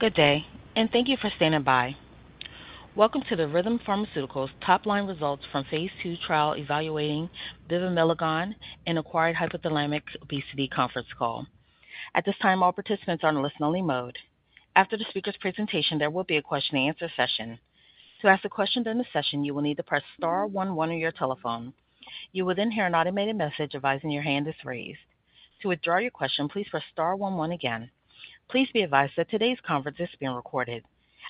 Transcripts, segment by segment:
Good day, and thank you for standing by. Welcome to the Rhythm Pharmaceuticals Top-Line Results from Phase II Trial Evaluating Bivamelagon in Acquired Hypothalamic Obesity Conference Call. At this time, all participants are on a listen-only mode. After the speaker's presentation, there will be a question-and-answer session. To ask a question during the session, you will need to press star one one on your telephone. You will then hear an automated message advising your hand is raised. To withdraw your question, please press star one one again. Please be advised that today's conference is being recorded.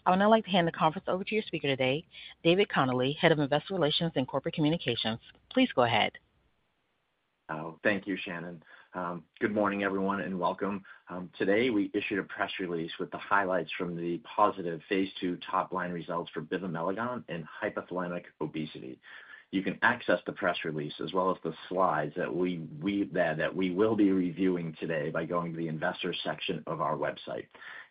I would now like to hand the conference over to your speaker today, David Connolly, Head of Investor Relations and Corporate Communications. Please go ahead. Thank you, Shannon. Good morning, everyone, and welcome. Today, we issued a press release with the highlights from the positive phase II top-line results for bivamelagon in hypothalamic obesity. You can access the press release as well as the slides that we will be reviewing today by going to the investor section of our website.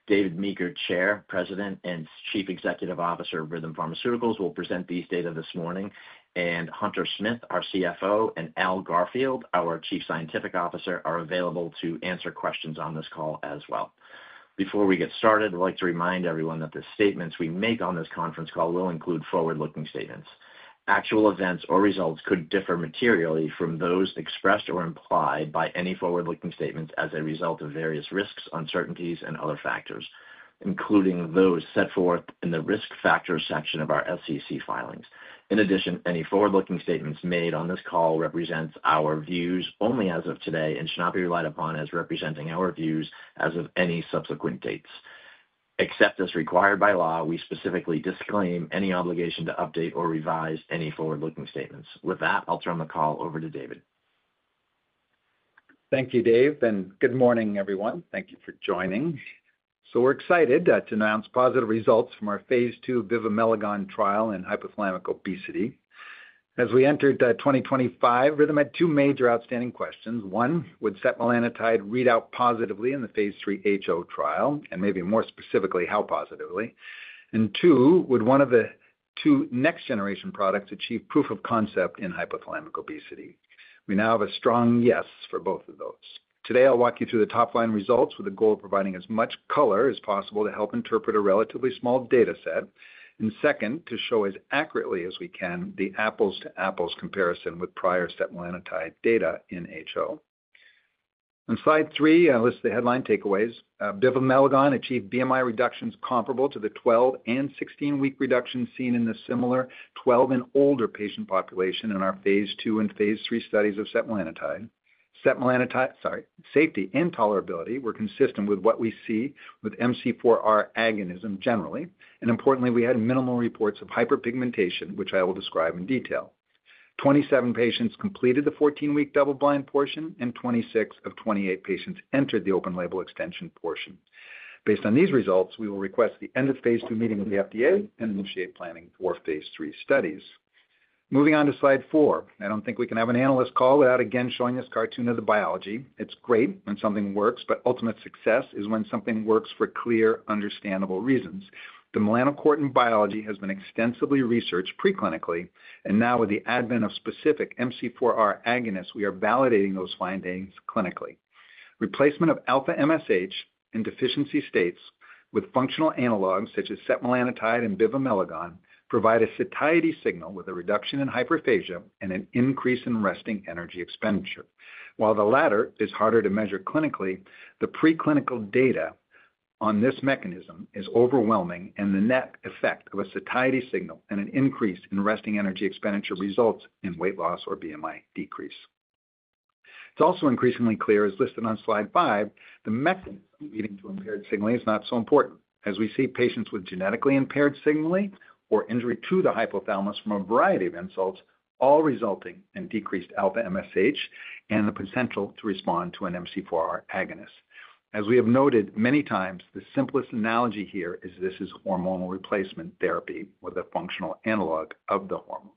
David Meeker, Chair, President, and Chief Executive Officer of Rhythm Pharmaceuticals, will present these data this morning, and Hunter Smith, our CFO, and Al Garfield, our Chief Scientific Officer, are available to answer questions on this call as well. Before we get started, I'd like to remind everyone that the statements we make on this conference call will include forward-looking statements. Actual events or results could differ materially from those expressed or implied by any forward-looking statements as a result of various risks, uncertainties, and other factors, including those set forth in the risk factor section of our SEC filings. In addition, any forward-looking statements made on this call represent our views only as of today and should not be relied upon as representing our views as of any subsequent dates. Except as required by law, we specifically disclaim any obligation to update or revise any forward-looking statements. With that, I'll turn the call over to David. Thank you, Dave, and good morning, everyone. Thank you for joining. So we're excited to announce positive results from our phase II bivamelagon trial in hypothalamic obesity. As we entered 2025, Rhythm had two major outstanding questions. One, would setmelanotide read out positively in the phase III HO trial? And maybe more specifically, how positively? And two, would one of the two next-generation products achieve proof of concept in hypothalamic obesity? We now have a strong yes for both of those. Today, I'll walk you through the top-line results with a goal of providing as much color as possible to help interpret a relatively small data set. And second, to show as accurately as we can the apples-to-apples comparison with prior setmelanotide data in HO. On slide three, I list the headline takeaways. Bivamelagon achieved BMI reductions comparable to the 12 and 16-week reductions seen in the similar 12 and older patient population in our phase II and phase III studies of setmelanotide. Setmelanotide, sorry, safety and tolerability were consistent with what we see with MC4R agonism generally, and importantly, we had minimal reports of hyperpigmentation, which I will describe in detail. 27 patients completed the 14-week double-blind portion, and 26 of 28 patients entered the open-label extension portion. Based on these results, we will request the end-of-phase II meeting with the FDA and initiate planning for phase III studies. Moving on to slide 4, I don't think we can have an analyst call without again showing this cartoon of the biology. It's great when something works, but ultimate success is when something works for clear, understandable reasons. The melanocortin biology has been extensively researched preclinically, and now with the advent of specific MC4R agonists, we are validating those findings clinically. Replacement of alpha-MSH in deficiency states with functional analogs such as setmelanotide and bivamelagon provide a satiety signal with a reduction in hyperphagia and an increase in resting energy expenditure. While the latter is harder to measure clinically, the preclinical data on this mechanism is overwhelming, and the net effect of a satiety signal and an increase in resting energy expenditure results in weight loss or BMI decrease. It's also increasingly clear, as listed on slide five, the mechanism leading to impaired signaling is not so important. As we see patients with genetically impaired signaling or injury to the hypothalamus from a variety of insults, all resulting in decreased alpha-MSH and the potential to respond to an MC4R agonist. As we have noted many times, the simplest analogy here is this is hormonal replacement therapy with a functional analog of the hormone.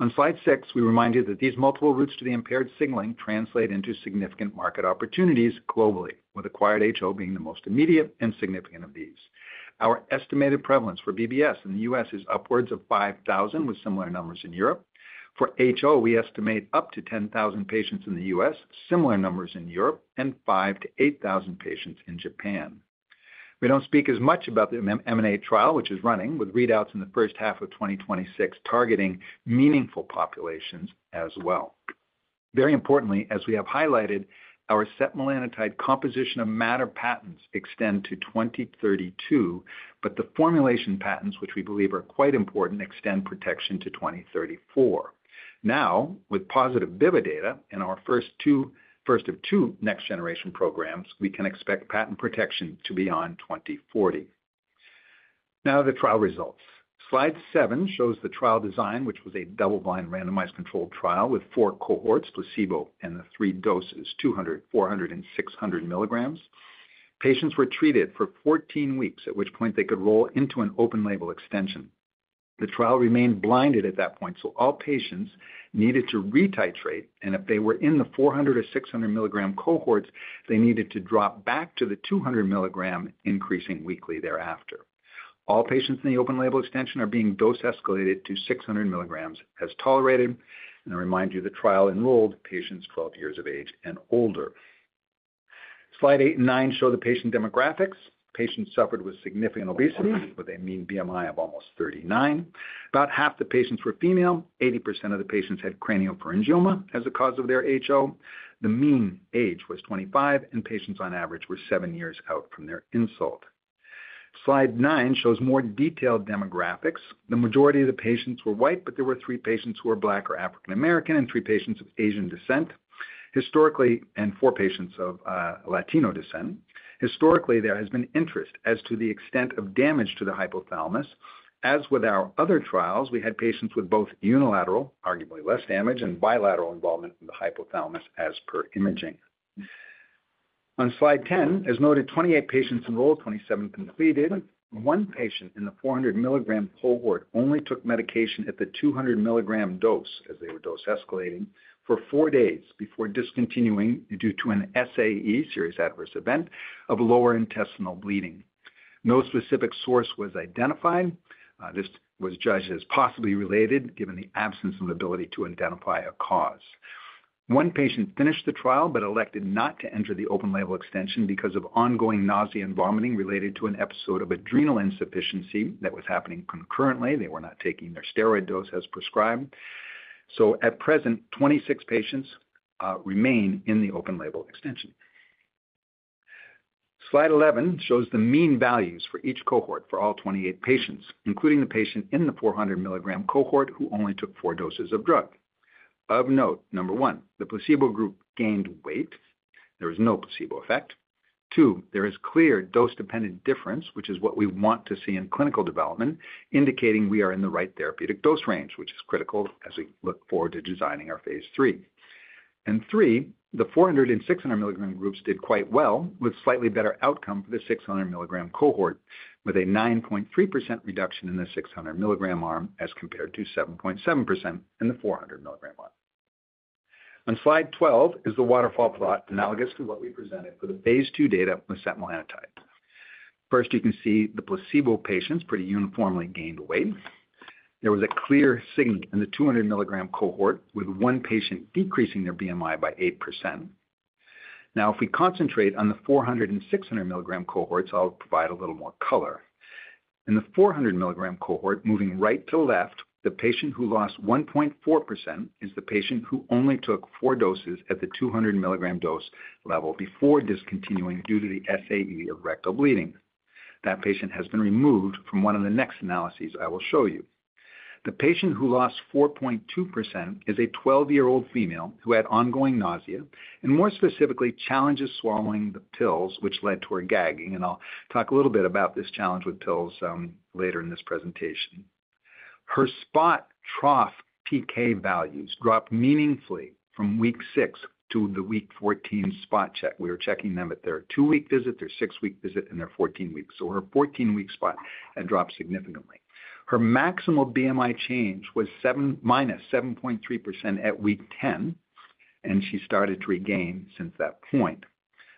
On slide six, we remind you that these multiple routes to the impaired signaling translate into significant market opportunities globally, with acquired HO being the most immediate and significant of these. Our estimated prevalence for BBS in the U.S. is upwards of 5,000, with similar numbers in Europe. For HO, we estimate up to 10,000 patients in the U.S., similar numbers in Europe, and 5,000-8,000 patients in Japan. We don't speak as much about the EMANATE trial, which is running, with readouts in the first half of 2026 targeting meaningful populations as well. Very importantly, as we have highlighted, our setmelanotide composition of matter patents extend to 2032, but the formulation patents, which we believe are quite important, extend protection to 2034. Now, with positive bivamelagon data in our first two next-generation programs, we can expect patent protection to be on 2040. Now, the trial results. Slide seven shows the trial design, which was a double-blind randomized controlled trial with four cohorts, placebo and the three doses, 200, 400, and 600 milligrams. Patients were treated for 14 weeks, at which point they could roll into an open-label extension. The trial remained blinded at that point, so all patients needed to retitrate, and if they were in the 400 or 600 milligram cohorts, they needed to drop back to the 200 milligram, increasing weekly thereafter. All patients in the open-label extension are being dose-escalated to 600 milligrams as tolerated. And I remind you, the trial enrolled patients 12 years of age and older. Slide eight and nine show the patient demographics. Patients suffered with significant obesity with a mean BMI of almost 39. About half the patients were female. 80% of the patients had craniopharyngioma as a cause of their HO. The mean age was 25, and patients on average were seven years out from their insult. Slide nine shows more detailed demographics. The majority of the patients were white, but there were three patients who were Black or African-American and three patients of Asian descent, and four patients of Latino descent. Historically, there has been interest as to the extent of damage to the hypothalamus. As with our other trials, we had patients with both unilateral, arguably less damage, and bilateral involvement in the hypothalamus as per imaging. On slide 10, as noted, 28 patients enrolled, 27 completed. One patient in the 400 milligram cohort only took medication at the 200 milligram dose as they were dose-escalating for four days before discontinuing due to an SAE, serious adverse event, of lower intestinal bleeding. No specific source was identified. This was judged as possibly related given the absence of an ability to identify a cause. One patient finished the trial but elected not to enter the open-label extension because of ongoing nausea and vomiting related to an episode of adrenal insufficiency that was happening concurrently. They were not taking their steroid dose as prescribed so at present, 26 patients remain in the open-label extension. Slide 11 shows the mean values for each cohort for all 28 patients, including the patient in the 400 milligram cohort who only took four doses of drug. Of note, number one, the placebo group gained weight. There was no placebo effect. Two, there is clear dose-dependent difference, which is what we want to see in clinical development, indicating we are in the right therapeutic dose range, which is critical as we look forward to designing our phase III. And three, the 400 and 600 milligram groups did quite well with slightly better outcome for the 600 milligram cohort, with a 9.3% reduction in the 600 milligram arm as compared to 7.7% in the 400 milligram arm. On slide 12 is the waterfall plot analogous to what we presented for the phase II data with setmelanotide. First, you can see the placebo patients pretty uniformly gained weight. There was a clear signal in the 200 milligram cohort with one patient decreasing their BMI by 8%. Now, if we concentrate on the 400 and 600 milligram cohorts, I'll provide a little more color. In the 400 milligram cohort, moving right to left, the patient who lost 1.4% is the patient who only took four doses at the 200 milligram dose level before discontinuing due to the SAE of rectal bleeding. That patient has been removed from one of the next analyses I will show you. The patient who lost 4.2% is a 12-year-old female who had ongoing nausea and more specifically challenges swallowing the pills, which led to her gagging, and I'll talk a little bit about this challenge with pills later in this presentation. Her spot trough PK values dropped meaningfully from week six to the week 14 spot check. We were checking them at their two-week visit, their six-week visit, and their 14-week, so her 14-week spot had dropped significantly. Her maximal BMI change was minus 7.3% at week 10, and she started to regain since that point.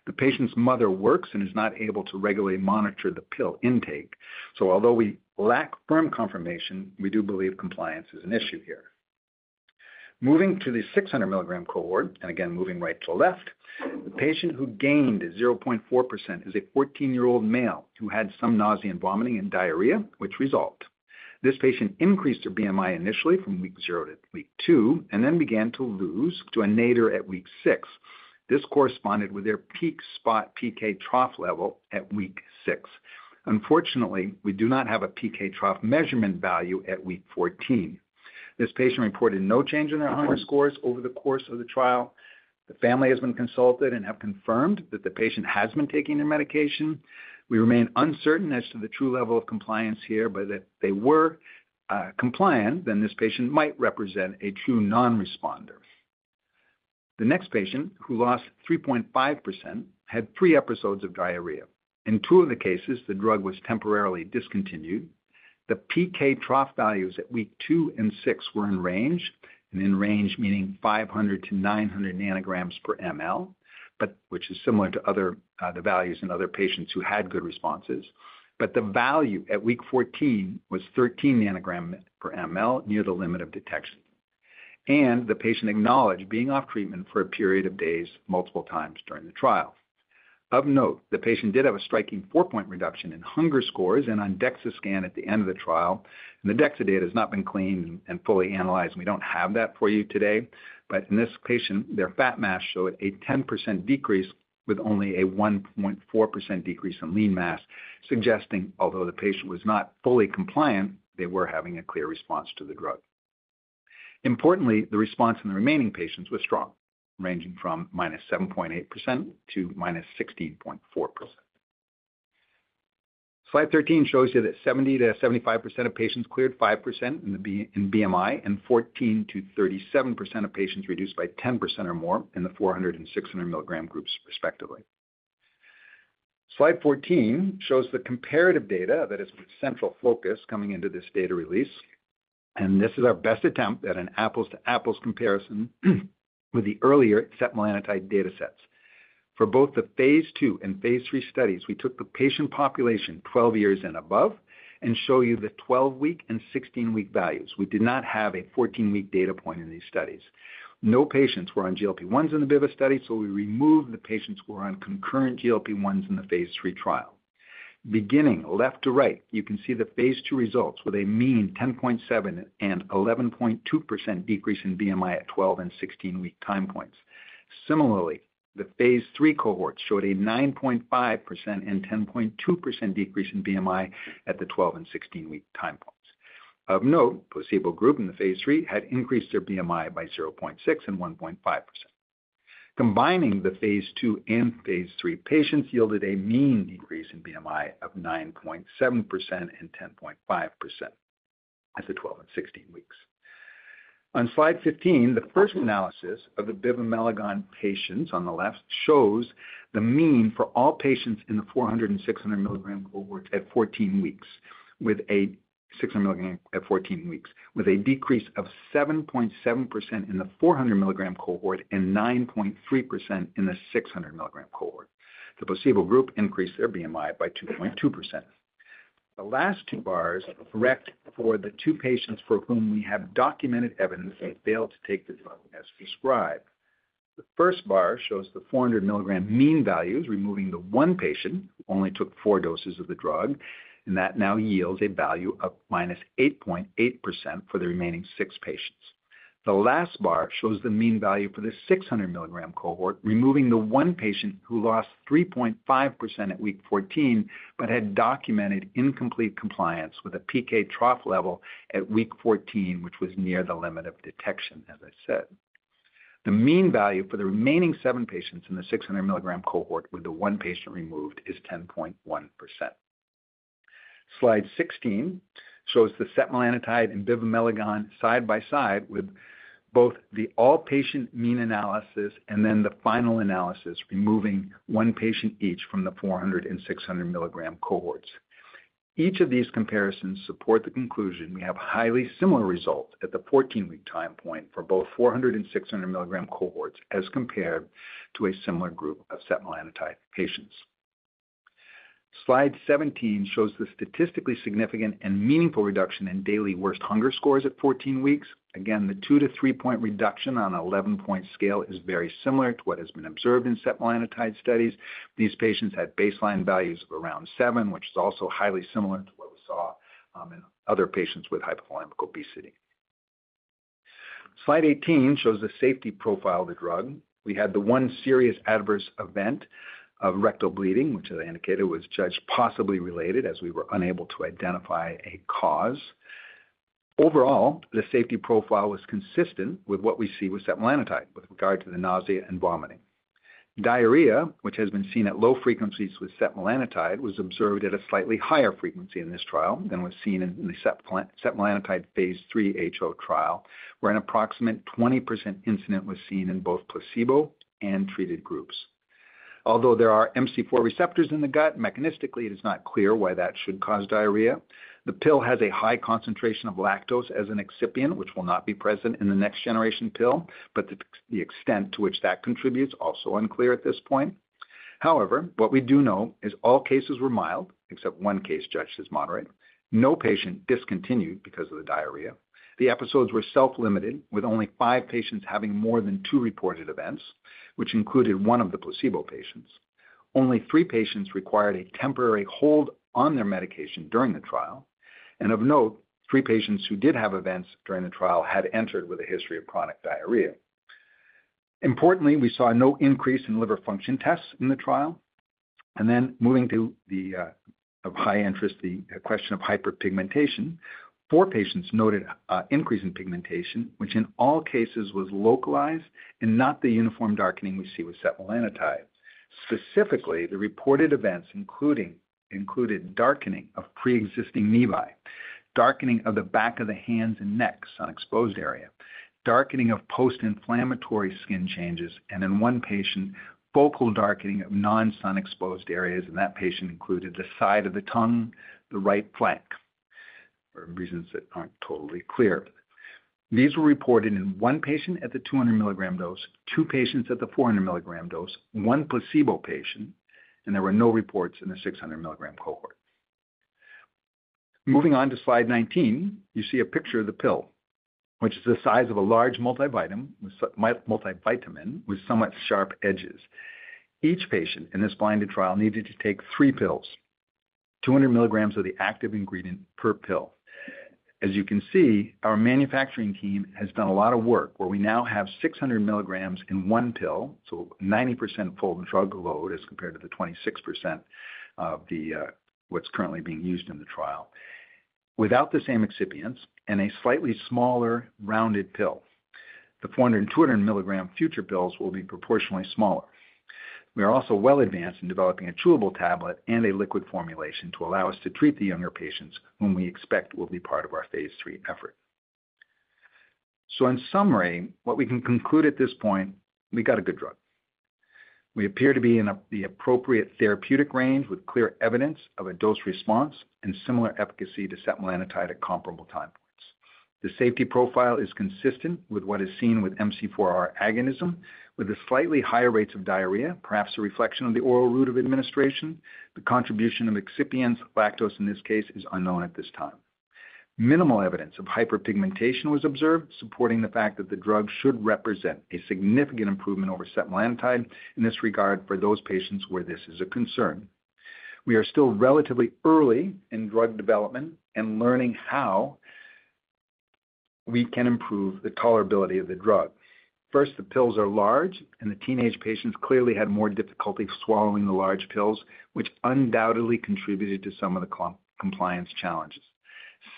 The patient's mother works and is not able to regularly monitor the pill intake. So although we lack firm confirmation, we do believe compliance is an issue here. Moving to the 600 milligram cohort, and again, moving right to left, the patient who gained 0.4% is a 14-year-old male who had some nausea and vomiting and diarrhea, which resolved. This patient increased her BMI initially from week zero to week two and then began to lose to a nadir at week six. This corresponded with their peak spot PK trough level at week six. Unfortunately, we do not have a PK trough measurement value at week 14. This patient reported no change in their hunger scores over the course of the trial. The family has been consulted and have confirmed that the patient has been taking their medication. We remain uncertain as to the true level of compliance here, but if they were compliant, then this patient might represent a true non-responder. The next patient who lost 3.5% had three episodes of diarrhea. In two of the cases, the drug was temporarily discontinued. The PK trough values at week two and six were in range, and in range meaning 500 to 900 nanograms per ml, but which is similar to the values in other patients who had good responses, but the value at week 14 was 13 nanograms per ml, near the limit of detection, and the patient acknowledged being off treatment for a period of days multiple times during the trial. Of note, the patient did have a striking four-point reduction in hunger scores and on DEXA scan at the end of the trial, and the DEXA data has not been cleaned and fully analyzed. We don't have that for you today. But in this patient, their fat mass showed a 10% decrease with only a 1.4% decrease in lean mass, suggesting although the patient was not fully compliant, they were having a clear response to the drug. Importantly, the response in the remaining patients was strong, ranging from -7.8% to -16.4%. Slide 13 shows you that 70%-75% of patients cleared 5% in BMI and 14%-37% of patients reduced by 10% or more in the 400 and 600 milligram groups, respectively. Slide 14 shows the comparative data that is central focus coming into this data release, and this is our best attempt at an apples-to-apples comparison with the earlier setmelanotide data sets. For both the phase II and phase III studies, we took the patient population 12 years and above and show you the 12-week and 16-week values. We did not have a 14-week data point in these studies. No patients were on GLP-1s in the bivamelagon study, so we removed the patients who were on concurrent GLP-1s in the phase III trial. Beginning left to right, you can see the phase II results with a mean 10.7% and 11.2% decrease in BMI at 12 and 16-week time points. Similarly, the phase III cohorts showed a 9.5% and 10.2% decrease in BMI at the 12- and 16-week time points. Of note, placebo group in the phase III had increased their BMI by 0.6% and 1.5%. Combining the phase II and phase III patients yielded a mean decrease in BMI of 9.7% and 10.5% at the 12 and 16 weeks. On slide 15, the first analysis of the bivamelagon patients on the left shows the mean for all patients in the 400 and 600 milligram cohort at 14 weeks with a 600 milligram at 14 weeks, with a decrease of 7.7% in the 400 milligram cohort and 9.3% in the 600 milligram cohort. The placebo group increased their BMI by 2.2%. The last two bars correct for the two patients for whom we have documented evidence they failed to take the drug as prescribed. The first bar shows the 400 milligram mean values, removing the one patient who only took four doses of the drug, and that now yields a value of minus 8.8% for the remaining six patients. The last bar shows the mean value for the 600 milligram cohort, removing the one patient who lost 3.5% at week 14 but had documented incomplete compliance with a PK trough level at week 14, which was near the limit of detection, as I said. The mean value for the remaining seven patients in the 600 milligram cohort with the one patient removed is 10.1%. Slide 16 shows the setmelanotide and bivamelagon side by side with both the all-patient mean analysis and then the final analysis removing one patient each from the 400 and 600 milligram cohorts. Each of these comparisons support the conclusion we have highly similar results at the 14-week time point for both 400 and 600 milligram cohorts as compared to a similar group of setmelanotide patients. Slide 17 shows the statistically significant and meaningful reduction in daily worst hunger scores at 14 weeks. Again, the two to three-point reduction on an 11-point scale is very similar to what has been observed in setmelanotide studies. These patients had baseline values of around seven, which is also highly similar to what we saw in other patients with hypothalamic obesity. Slide 18 shows the safety profile of the drug. We had the one serious adverse event of rectal bleeding, which, as I indicated, was judged possibly related as we were unable to identify a cause. Overall, the safety profile was consistent with what we see with setmelanotide with regard to the nausea and vomiting. Diarrhea, which has been seen at low frequencies with setmelanotide, was observed at a slightly higher frequency in this trial than was seen in the setmelanotide phase III HO trial, where an approximate 20% incidence was seen in both placebo and treated groups. Although there are MC4 receptors in the gut, mechanistically, it is not clear why that should cause diarrhea. The pill has a high concentration of lactose as an excipient, which will not be present in the next generation pill, but the extent to which that contributes is also unclear at this point. However, what we do know is all cases were mild, except one case judged as moderate. No patient discontinued because of the diarrhea. The episodes were self-limited, with only five patients having more than two reported events, which included one of the placebo patients. Only three patients required a temporary hold on their medication during the trial. And of note, three patients who did have events during the trial had entered with a history of chronic diarrhea. Importantly, we saw no increase in liver function tests in the trial. And then moving to the area of high interest, the question of hyperpigmentation. Four patients noted an increase in pigmentation, which in all cases was localized and not the uniform darkening we see with setmelanotide. Specifically, the reported events included darkening of pre-existing nevi, darkening of the back of the hands and neck, sun-exposed area, darkening of post-inflammatory skin changes, and in one patient, focal darkening of non-sun-exposed areas, and that patient included the side of the tongue, the right flank, for reasons that aren't totally clear. These were reported in one patient at the 200 milligram dose, two patients at the 400 milligram dose, one placebo patient, and there were no reports in the 600 milligram cohort. Moving on to slide 19, you see a picture of the pill, which is the size of a large multivitamin with somewhat sharp edges. Each patient in this blinded trial needed to take three pills, 200 milligrams of the active ingredient per pill. As you can see, our manufacturing team has done a lot of work where we now have 600 milligrams in one pill, so 90% full drug load as compared to the 26% of what's currently being used in the trial. Without the same excipients and a slightly smaller rounded pill, the 400 and 200 milligram future pills will be proportionally smaller. We are also well advanced in developing a chewable tablet and a liquid formulation to allow us to treat the younger patients whom we expect will be part of our phase III effort so in summary, what we can conclude at this point, we got a good drug. We appear to be in the appropriate therapeutic range with clear evidence of a dose response and similar efficacy to setmelanotide at comparable time points. The safety profile is consistent with what is seen with MC4R agonism, with a slightly higher rate of diarrhea, perhaps a reflection of the oral route of administration. The contribution of excipients, lactose in this case, is unknown at this time. Minimal evidence of hyperpigmentation was observed, supporting the fact that the drug should represent a significant improvement over setmelanotide in this regard for those patients where this is a concern. We are still relatively early in drug development and learning how we can improve the tolerability of the drug. First, the pills are large, and the teenage patients clearly had more difficulty swallowing the large pills, which undoubtedly contributed to some of the compliance challenges.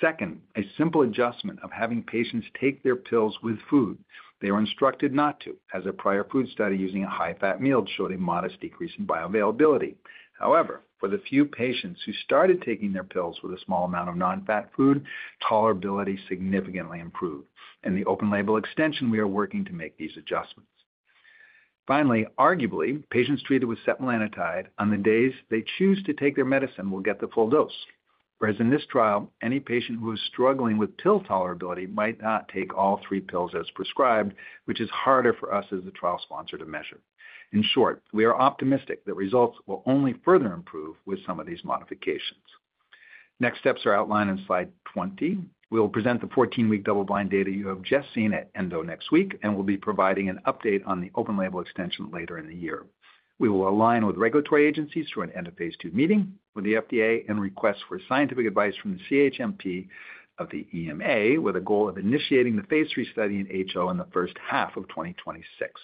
Second, a simple adjustment of having patients take their pills with food. They were instructed not to, as a prior food study using a high-fat meal showed a modest decrease in bioavailability. However, for the few patients who started taking their pills with a small amount of non-fat food, tolerability significantly improved. In the open label extension, we are working to make these adjustments. Finally, arguably, patients treated with setmelanotide on the days they choose to take their medicine will get the full dose. Whereas in this trial, any patient who is struggling with pill tolerability might not take all three pills as prescribed, which is harder for us as the trial sponsor to measure. In short, we are optimistic that results will only further improve with some of these modifications. Next steps are outlined in slide 20. We will present the 14-week double-blind data you have just seen at ENDO next week, and we'll be providing an update on the open label extension later in the year. We will align with regulatory agencies through an end-of-phase II meeting with the FDA and request for scientific advice from the CHMP of the EMA with a goal of initiating the phase III study in HO in the first half of 2026.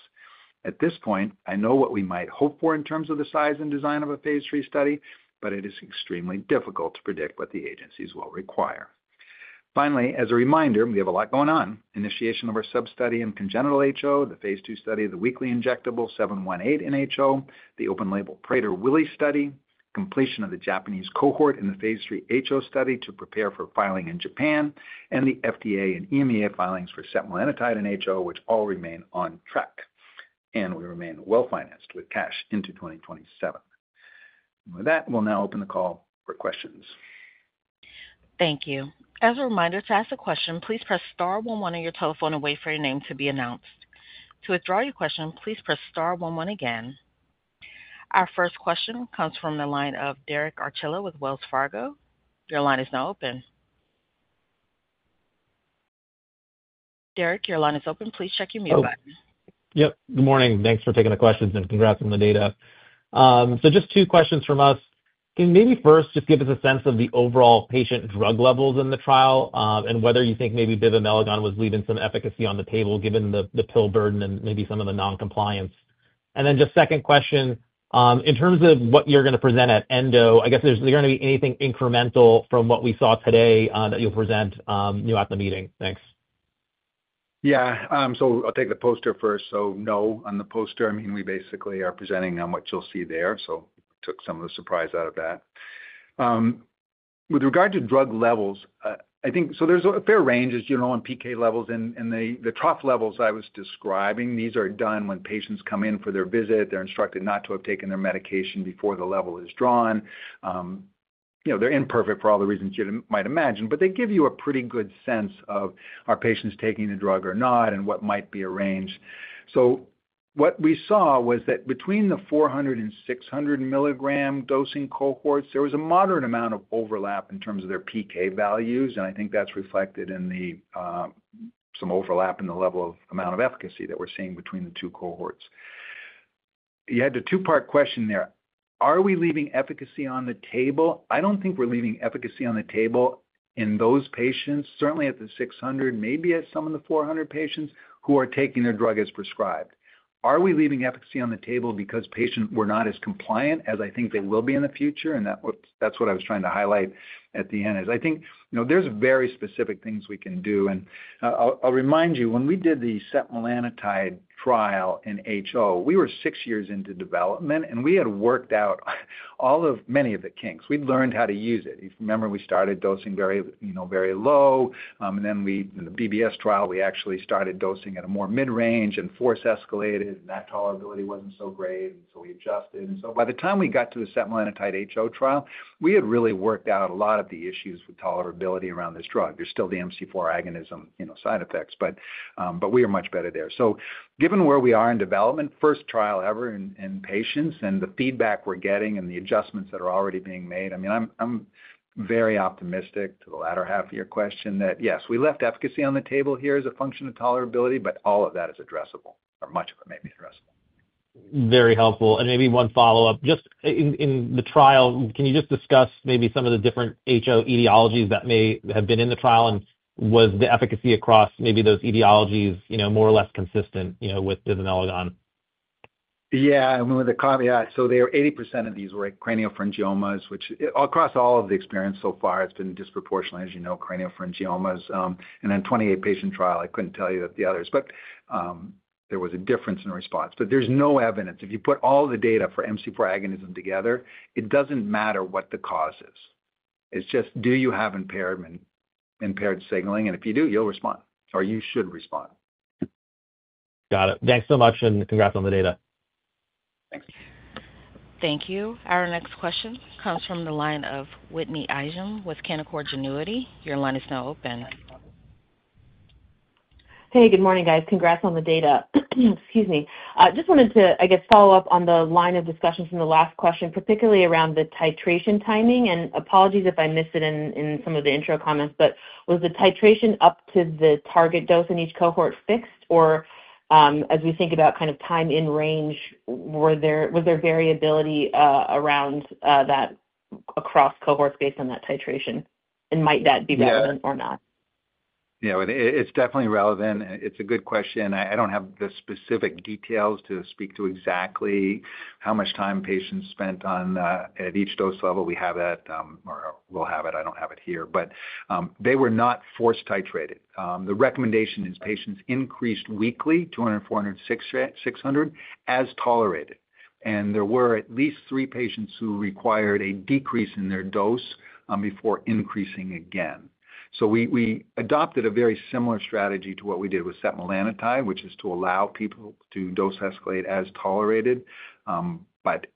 At this point, I know what we might hope for in terms of the size and design of a phase III study, but it is extremely difficult to predict what the agencies will require. Finally, as a reminder, we have a lot going on. Initiation of our sub-study in congenital HO, the phase II study of the weekly injectable 718 in HO, the open label Prader-Willi study, completion of the Japanese cohort in the phase III HO study to prepare for filing in Japan, and the FDA and EMA filings for setmelanotide in HO, which all remain on track. We remain well-financed with cash into 2027. With that, we'll now open the call for questions. Thank you. As a reminder, to ask a question, please press star 11 on your telephone and wait for your name to be announced. To withdraw your question, please press star 11 again. Our first question comes from the line of Derek Archila with Wells Fargo. Your line is now open. Derek, your line is open. Please check your mute button. Yep. Good morning. Thanks for taking the questions and congrats on the data. So just two questions from us. Can maybe first just give us a sense of the overall patient drug levels in the trial and whether you think maybe bivamelagon was leaving some efficacy on the table given the pill burden and maybe some of the non-compliance. And then just second question, in terms of what you're going to present at ENDO, I guess there's going to be anything incremental from what we saw today that you'll present at the meeting. Thanks. Yeah. So I'll take the poster first. So no, on the poster, I mean, we basically are presenting on what you'll see there. So we took some of the surprise out of that. With regard to drug levels, I think so there's a fair range, as you know, on PK levels. And the trough levels I was describing, these are done when patients come in for their visit. They're instructed not to have taken their medication before the level is drawn. They're imperfect for all the reasons you might imagine, but they give you a pretty good sense of whether patients are taking the drug or not and what might be the range. So what we saw was that between the 400- and 600-milligram dosing cohorts, there was a moderate amount of overlap in terms of their PK values, and I think that's reflected in some overlap in the level of amount of efficacy that we're seeing between the two cohorts. You had a two-part question there. Are we leaving efficacy on the table? I don't think we're leaving efficacy on the table in those patients, certainly at the 600, maybe at some of the 400 patients who are taking their drug as prescribed. Are we leaving efficacy on the table because patients were not as compliant as I think they will be in the future? And that's what I was trying to highlight at the end. I think there's very specific things we can do. And I'll remind you, when we did the setmelanotide trial in HO, we were six years into development, and we had worked out all of many of the kinks. We'd learned how to use it. You remember we started dosing very low, and then in the BBS trial, we actually started dosing at a more mid-range and force escalated, and that tolerability wasn't so great, and so we adjusted. And so by the time we got to the setmelanotide HO trial, we had really worked out a lot of the issues with tolerability around this drug. There's still the MC4R agonism side effects, but we are much better there. So given where we are in development, first trial ever in patients, and the feedback we're getting and the adjustments that are already being made, I mean, I'm very optimistic to the latter half of your question that, yes, we left efficacy on the table here as a function of tolerability, but all of that is addressable, or much of it may be addressable. Very helpful. And maybe one follow-up. Just in the trial, can you just discuss maybe some of the different HO etiologies that may have been in the trial, and was the efficacy across maybe those etiologies more or less consistent with bivamelagon? Yeah. I mean, with a caveat, so 80% of these were craniopharyngiomas, which across all of the experience so far, it's been disproportionately, as you know, craniopharyngiomas. And in a 28-patient trial, I couldn't tell you that the others, but there was a difference in response. But there's no evidence. If you put all the data for MC4 agonism together, it doesn't matter what the cause is. It's just, do you have impaired signaling? And if you do, you'll respond, or you should respond. Got it. Thanks so much, and congrats on the data. Thank you. Our next question comes from the line of Whitney Ijem with Canaccord Genuity. Your line is now open. Hey, good morning, guys. Congrats on the data. Excuse me. Just wanted to, I guess, follow up on the line of discussion from the last question, particularly around the titration timing. And apologies if I missed it in some of the intro comments, but was the titration up to the target dose in each cohort fixed? Or as we think about kind of time in range, was there variability around that across cohorts based on that titration, and might that be relevant or not? Yeah. It's definitely relevant. It's a good question. I don't have the specific details to speak to exactly how much time patients spent at each dose level. We have that, or we'll have it. I don't have it here. But they were not force titrated. The recommendation is patients increased weekly, 200, 400, 600, as tolerated, and there were at least three patients who required a decrease in their dose before increasing again, so we adopted a very similar strategy to what we did with setmelanotide, which is to allow people to dose escalate as tolerated. But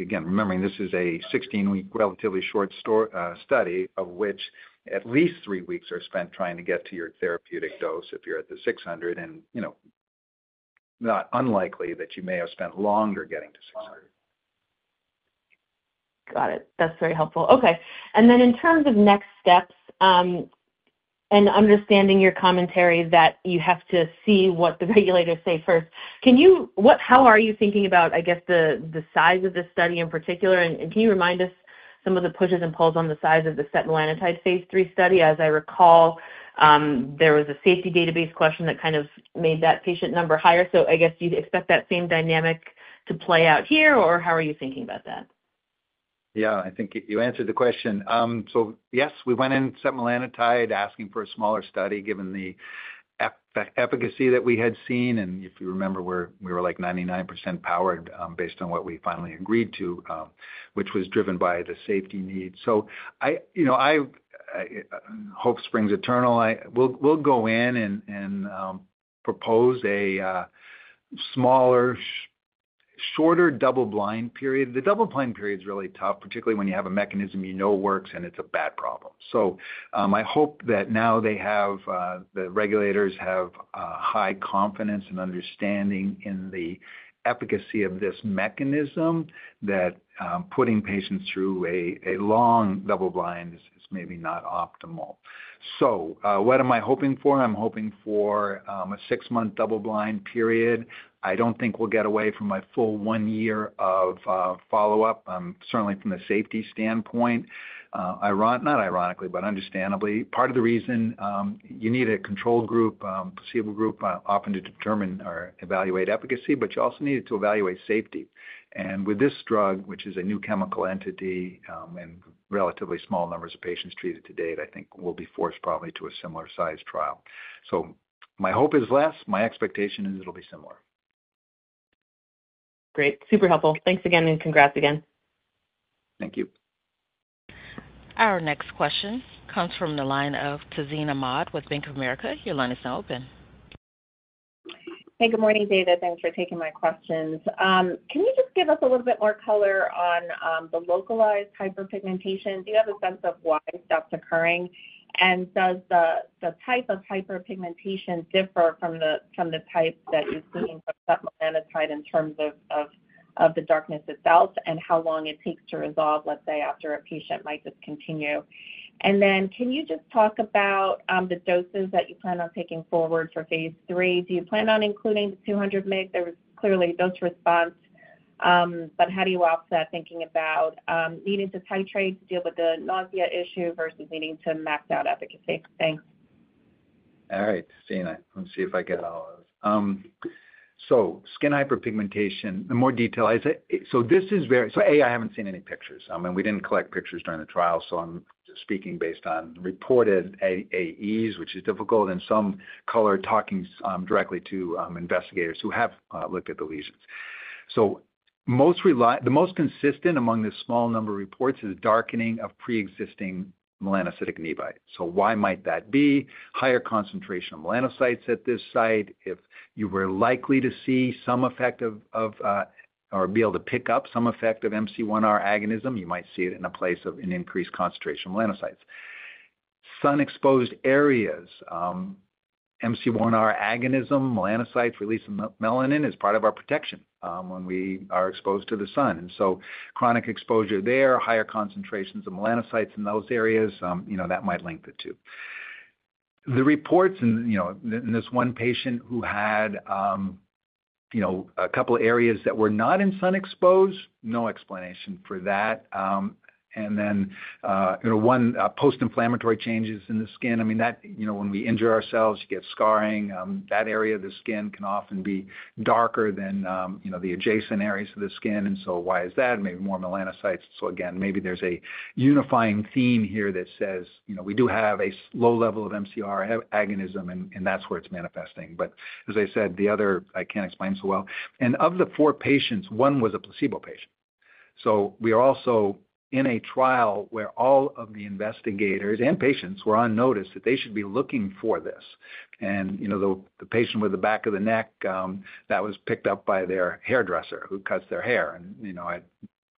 again, remembering this is a 16-week relatively short study of which at least three weeks are spent trying to get to your therapeutic dose if you're at the 600, and not unlikely that you may have spent longer getting to 600. Got it. That's very helpful. Okay. And then in terms of next steps and understanding your commentary that you have to see what the regulators say first, how are you thinking about, I guess, the size of this study in particular? And can you remind us some of the pushes and pulls on the size of the setmelanotide phase III study? As I recall, there was a safety database question that kind of made that patient number higher. So I guess you'd expect that same dynamic to play out here, or how are you thinking about that? Yeah. I think you answered the question. So yes, we went in setmelanotide asking for a smaller study given the efficacy that we had seen, and if you remember, we were like 99% powered based on what we finally agreed to, which was driven by the safety need. I hope springs eternal. We'll go in and propose a shorter double-blind period. The double-blind period is really tough, particularly when you have a mechanism you know works, and it's a bad problem, so I hope that now the regulators have high confidence and understanding in the efficacy of this mechanism, that putting patients through a long double-blind is maybe not optimal, so what am I hoping for? I'm hoping for a six-month double-blind period. I don't think we'll get away from my full one year of follow-up, certainly from the safety standpoint, not ironically, but understandably. Part of the reason you need a control group, placebo group, often to determine or evaluate efficacy, but you also need it to evaluate safety. And with this drug, which is a new chemical entity and relatively small numbers of patients treated to date, I think we'll be forced probably to a similar size trial. So my hope is less. My expectation is it'll be similar. Great. Super helpful. Thanks again, and congrats again. Thank you. Our next question comes from the line of Tazeen Ahmad with Bank of America. Your line is now open. Hey, good morning, David. Thanks for taking my questions. Can you just give us a little bit more color on the localized hyperpigmentation? Do you have a sense of why that's occurring? Does the type of hyperpigmentation differ from the type that you've seen for setmelanotide in terms of the darkness itself, and how long it takes to resolve, let's say, after a patient might discontinue? And then can you just talk about the doses that you plan on taking forward for phase III? Do you plan on including the 200 mg? There was clearly dose response, but how do you offset thinking about needing to titrate to deal with the nausea issue versus needing to max out efficacy? Thanks. All right. Tazeen, let me see if I get all of this. So skin hyperpigmentation, the more detail. So this is very. So a, I haven't seen any pictures. I mean, we didn't collect pictures during the trial, so I'm just speaking based on reported AEs, which is difficult, and some color talking directly to investigators who have looked at the lesions. So the most consistent among the small number of reports is darkening of pre-existing melanocytic nevi. So why might that be? Higher concentration of melanocytes at this site. If you were likely to see some effect of or be able to pick up some effect of MC1R agonism, you might see it in a place of an increased concentration of melanocytes. Sun-exposed areas, MC1R agonism, melanocytes releasing melanin as part of our protection when we are exposed to the sun. And so chronic exposure there, higher concentrations of melanocytes in those areas, that might link the two. The reports in this one patient who had a couple of areas that were not in sun-exposed, no explanation for that. And then one post-inflammatory changes in the skin. I mean, when we injure ourselves, you get scarring. That area of the skin can often be darker than the adjacent areas of the skin, and so why is that? Maybe more melanocytes, so again, maybe there's a unifying theme here that says we do have a low level of MC4R agonism, and that's where it's manifesting, but as I said, the others I can't explain so well, and of the four patients, one was a placebo patient, so we are also in a trial where all of the investigators and patients were on notice that they should be looking for this, and the patient with the back of the neck that was picked up by their hairdresser who cuts their hair, and I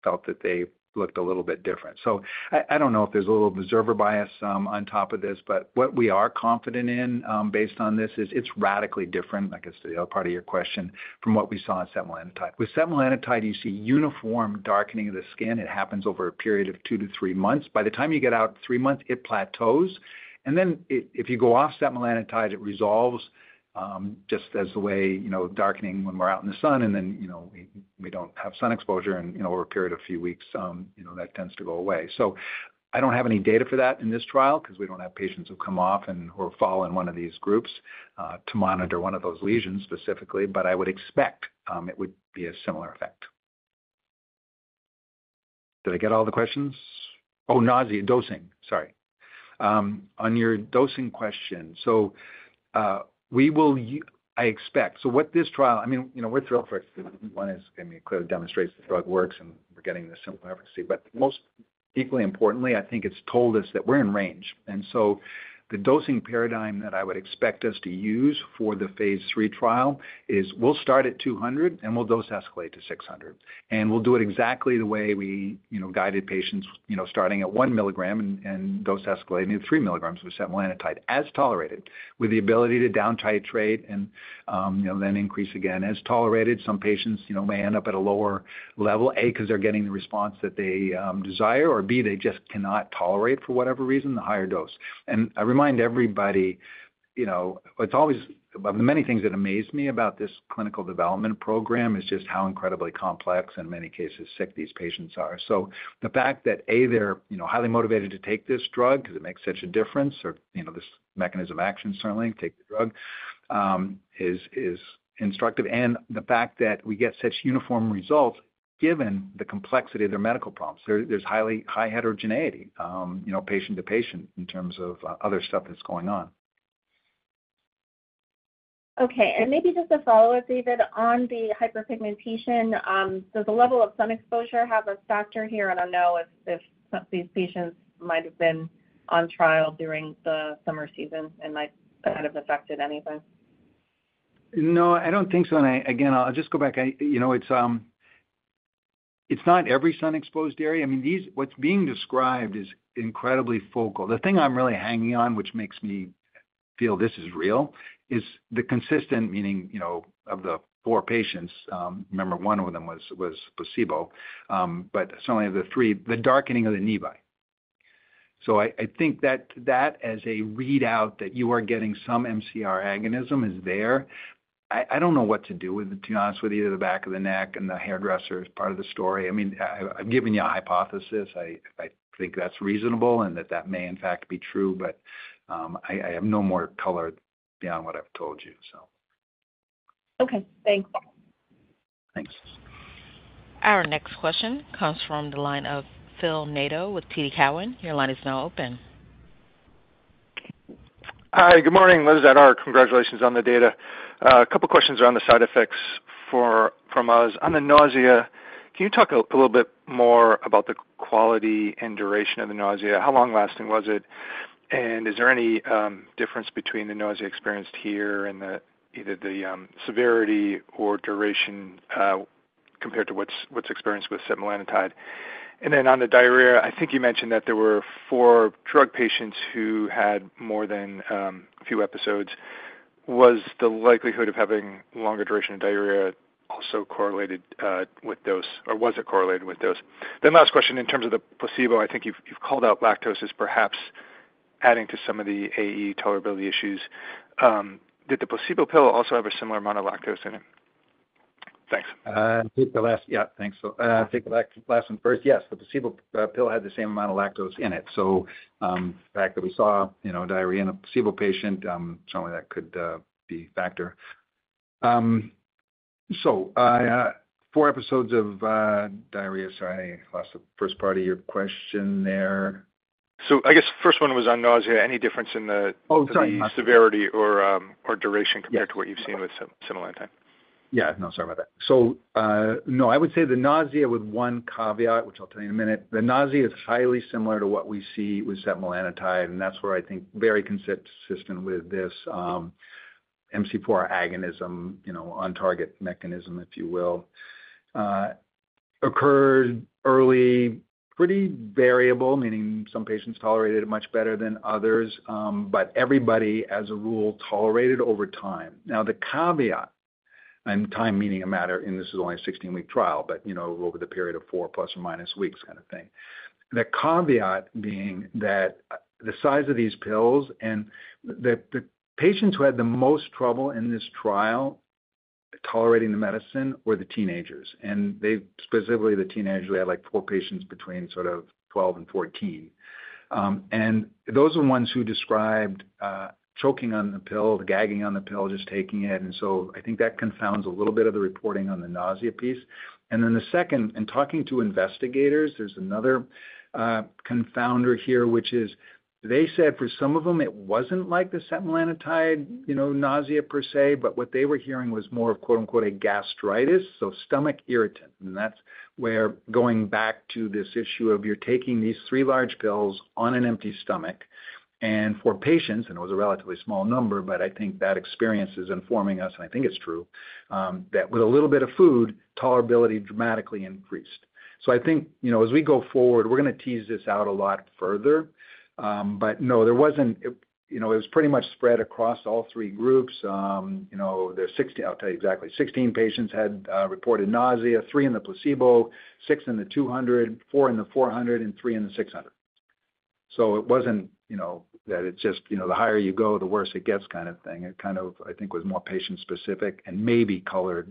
felt that they looked a little bit different. So I don't know if there's a little observer bias on top of this, but what we are confident in based on this is it's radically different, like I said, the other part of your question, from what we saw in setmelanotide. With setmelanotide, you see uniform darkening of the skin. It happens over a period of two to three months. By the time you get out three months, it plateaus. And then if you go off setmelanotide, it resolves just as the way darkening when we're out in the sun, and then we don't have sun exposure. And over a period of a few weeks, that tends to go away. So I don't have any data for that in this trial because we don't have patients who come off and or fall in one of these groups to monitor one of those lesions specifically, but I would expect it would be a similar effect. Did I get all the questions? Oh, nausea, dosing. Sorry. On your dosing question, so I expect what this trial I mean, we're thrilled for it because one is, I mean, clearly demonstrates the drug works, and we're getting the similar efficacy. But most equally importantly, I think it's told us that we're in range. And so the dosing paradigm that I would expect us to use for the phase III trial is we'll start at 200, and we'll dose escalate to 600. We'll do it exactly the way we guided patients starting at one milligram and dose escalating to three milligrams with setmelanotide, as tolerated, with the ability to down titrate and then increase again as tolerated. Some patients may end up at a lower level, A, because they're getting the response that they desire, or B, they just cannot tolerate for whatever reason the higher dose. And I remind everybody, it's always of the many things that amaze me about this clinical development program is just how incredibly complex and in many cases sick these patients are. So the fact that, A, they're highly motivated to take this drug because it makes such a difference, or this mechanism of action certainly, take the drug, is instructive. And the fact that we get such uniform results given the complexity of their medical problems. There's high heterogeneity patient to patient in terms of other stuff that's going on. Okay. And maybe just a follow-up, David, on the hyperpigmentation. Does the level of sun exposure have a factor here? I don't know if these patients might have been on trial during the summer season and might have affected anything. No, I don't think so. And again, I'll just go back. It's not every sun-exposed area. I mean, what's being described is incredibly focal. The thing I'm really hanging on, which makes me feel this is real, is the consistent, meaning of the four patients. Remember, one of them was placebo, but certainly the darkening of the nevi. So I think that as a readout that you are getting some MC4R agonism is there.I don't know what to do with it, to be honest with you, the back of the neck and the hairdresser is part of the story. I mean, I've given you a hypothesis. I think that's reasonable and that that may in fact be true, but I have no more color beyond what I've told you, so. Okay. Thanks. Thanks. Our next question comes from the line of Phil Nadeau with TD Cowen. Your line is now open. Hi. Good morning. This is Phil Nadeau with TD Cowen. Congratulations on the data. A couple of questions around the side effects from us. On the nausea, can you talk a little bit more about the quality and duration of the nausea? How long lasting was it? And is there any difference between the nausea experienced here and either the severity or duration compared to what's experienced with setmelanotide? And then, on the diarrhea, I think you mentioned that there were four drug patients who had more than a few episodes. Was the likelihood of having longer duration of diarrhea also correlated with dose or was it correlated with dose? Then, last question in terms of the placebo, I think you've called out lactose as perhaps adding to some of the AE tolerability issues. Did the placebo pill also have a similar amount of lactose in it? Thanks. I think the last. Yeah, thanks. I think last one first. Yes, the placebo pill had the same amount of lactose in it. So the fact that we saw diarrhea in a placebo patient, certainly that could be a factor. So four episodes of diarrhea. Sorry, I lost the first part of your question there. So I guess first one was on nausea. Any difference in the severity or duration compared to what you've seen with setmelanotide? Yeah. No, sorry about that. So no, I would say the nausea with one caveat, which I'll tell you in a minute. The nausea is highly similar to what we see with setmelanotide, and that's where I think very consistent with this MC4 agonism on target mechanism, if you will, occurred early, pretty variable, meaning some patients tolerated it much better than others, but everybody, as a rule, tolerated over time. Now, the caveat, and time meaning a matter, and this is only a 16-week trial, but over the period of four plus or minus weeks kind of thing. The caveat being that the size of these pills and the patients who had the most trouble in this trial tolerating the medicine were the teenagers. Specifically, the teenagers, we had like four patients between sort of 12 and 14. Those are the ones who described choking on the pill, gagging on the pill, just taking it. So I think that confounds a little bit of the reporting on the nausea piece. Then the second, in talking to investigators, there's another confounder here, which is they said for some of them, it wasn't like the setmelanotide nausea per se, but what they were hearing was more of a gastritis, so stomach irritant. That's where going back to this issue of you're taking these three large pills on an empty stomach. For patients, and it was a relatively small number, but I think that experience is informing us, and I think it's true, that with a little bit of food, tolerability dramatically increased. So I think as we go forward, we're going to tease this out a lot further. But no, it was pretty much spread across all three groups. I'll tell you exactly. 16 patients had reported nausea, three in the placebo, six in the 200, four in the 400, and three in the 600. So it wasn't that it's just the higher you go, the worse it gets kind of thing. It kind of, I think, was more patient-specific and maybe colored,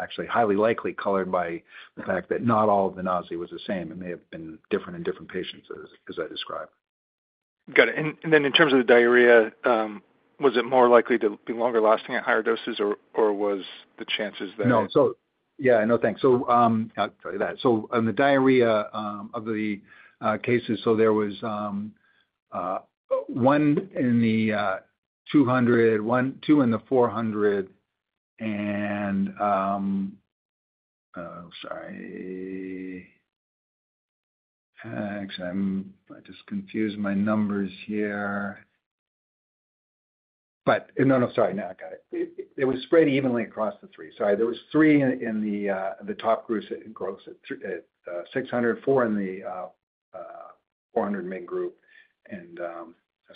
actually highly likely colored by the fact that not all of the nausea was the same. It may have been different in different patients, as I described. Got it. And then in terms of the diarrhea, was it more likely to be longer lasting at higher doses, or was the chances that? No. So yeah, no, thanks. So I'll tell you that. So, on the diarrhea of the cases, so there was one in the 200, two in the 400, and sorry. Actually, I just confused my numbers here. But no, no, sorry. Now I got it. It was spread evenly across the three. Sorry. There was three in the top groups at 600, four in the 400 main group, and a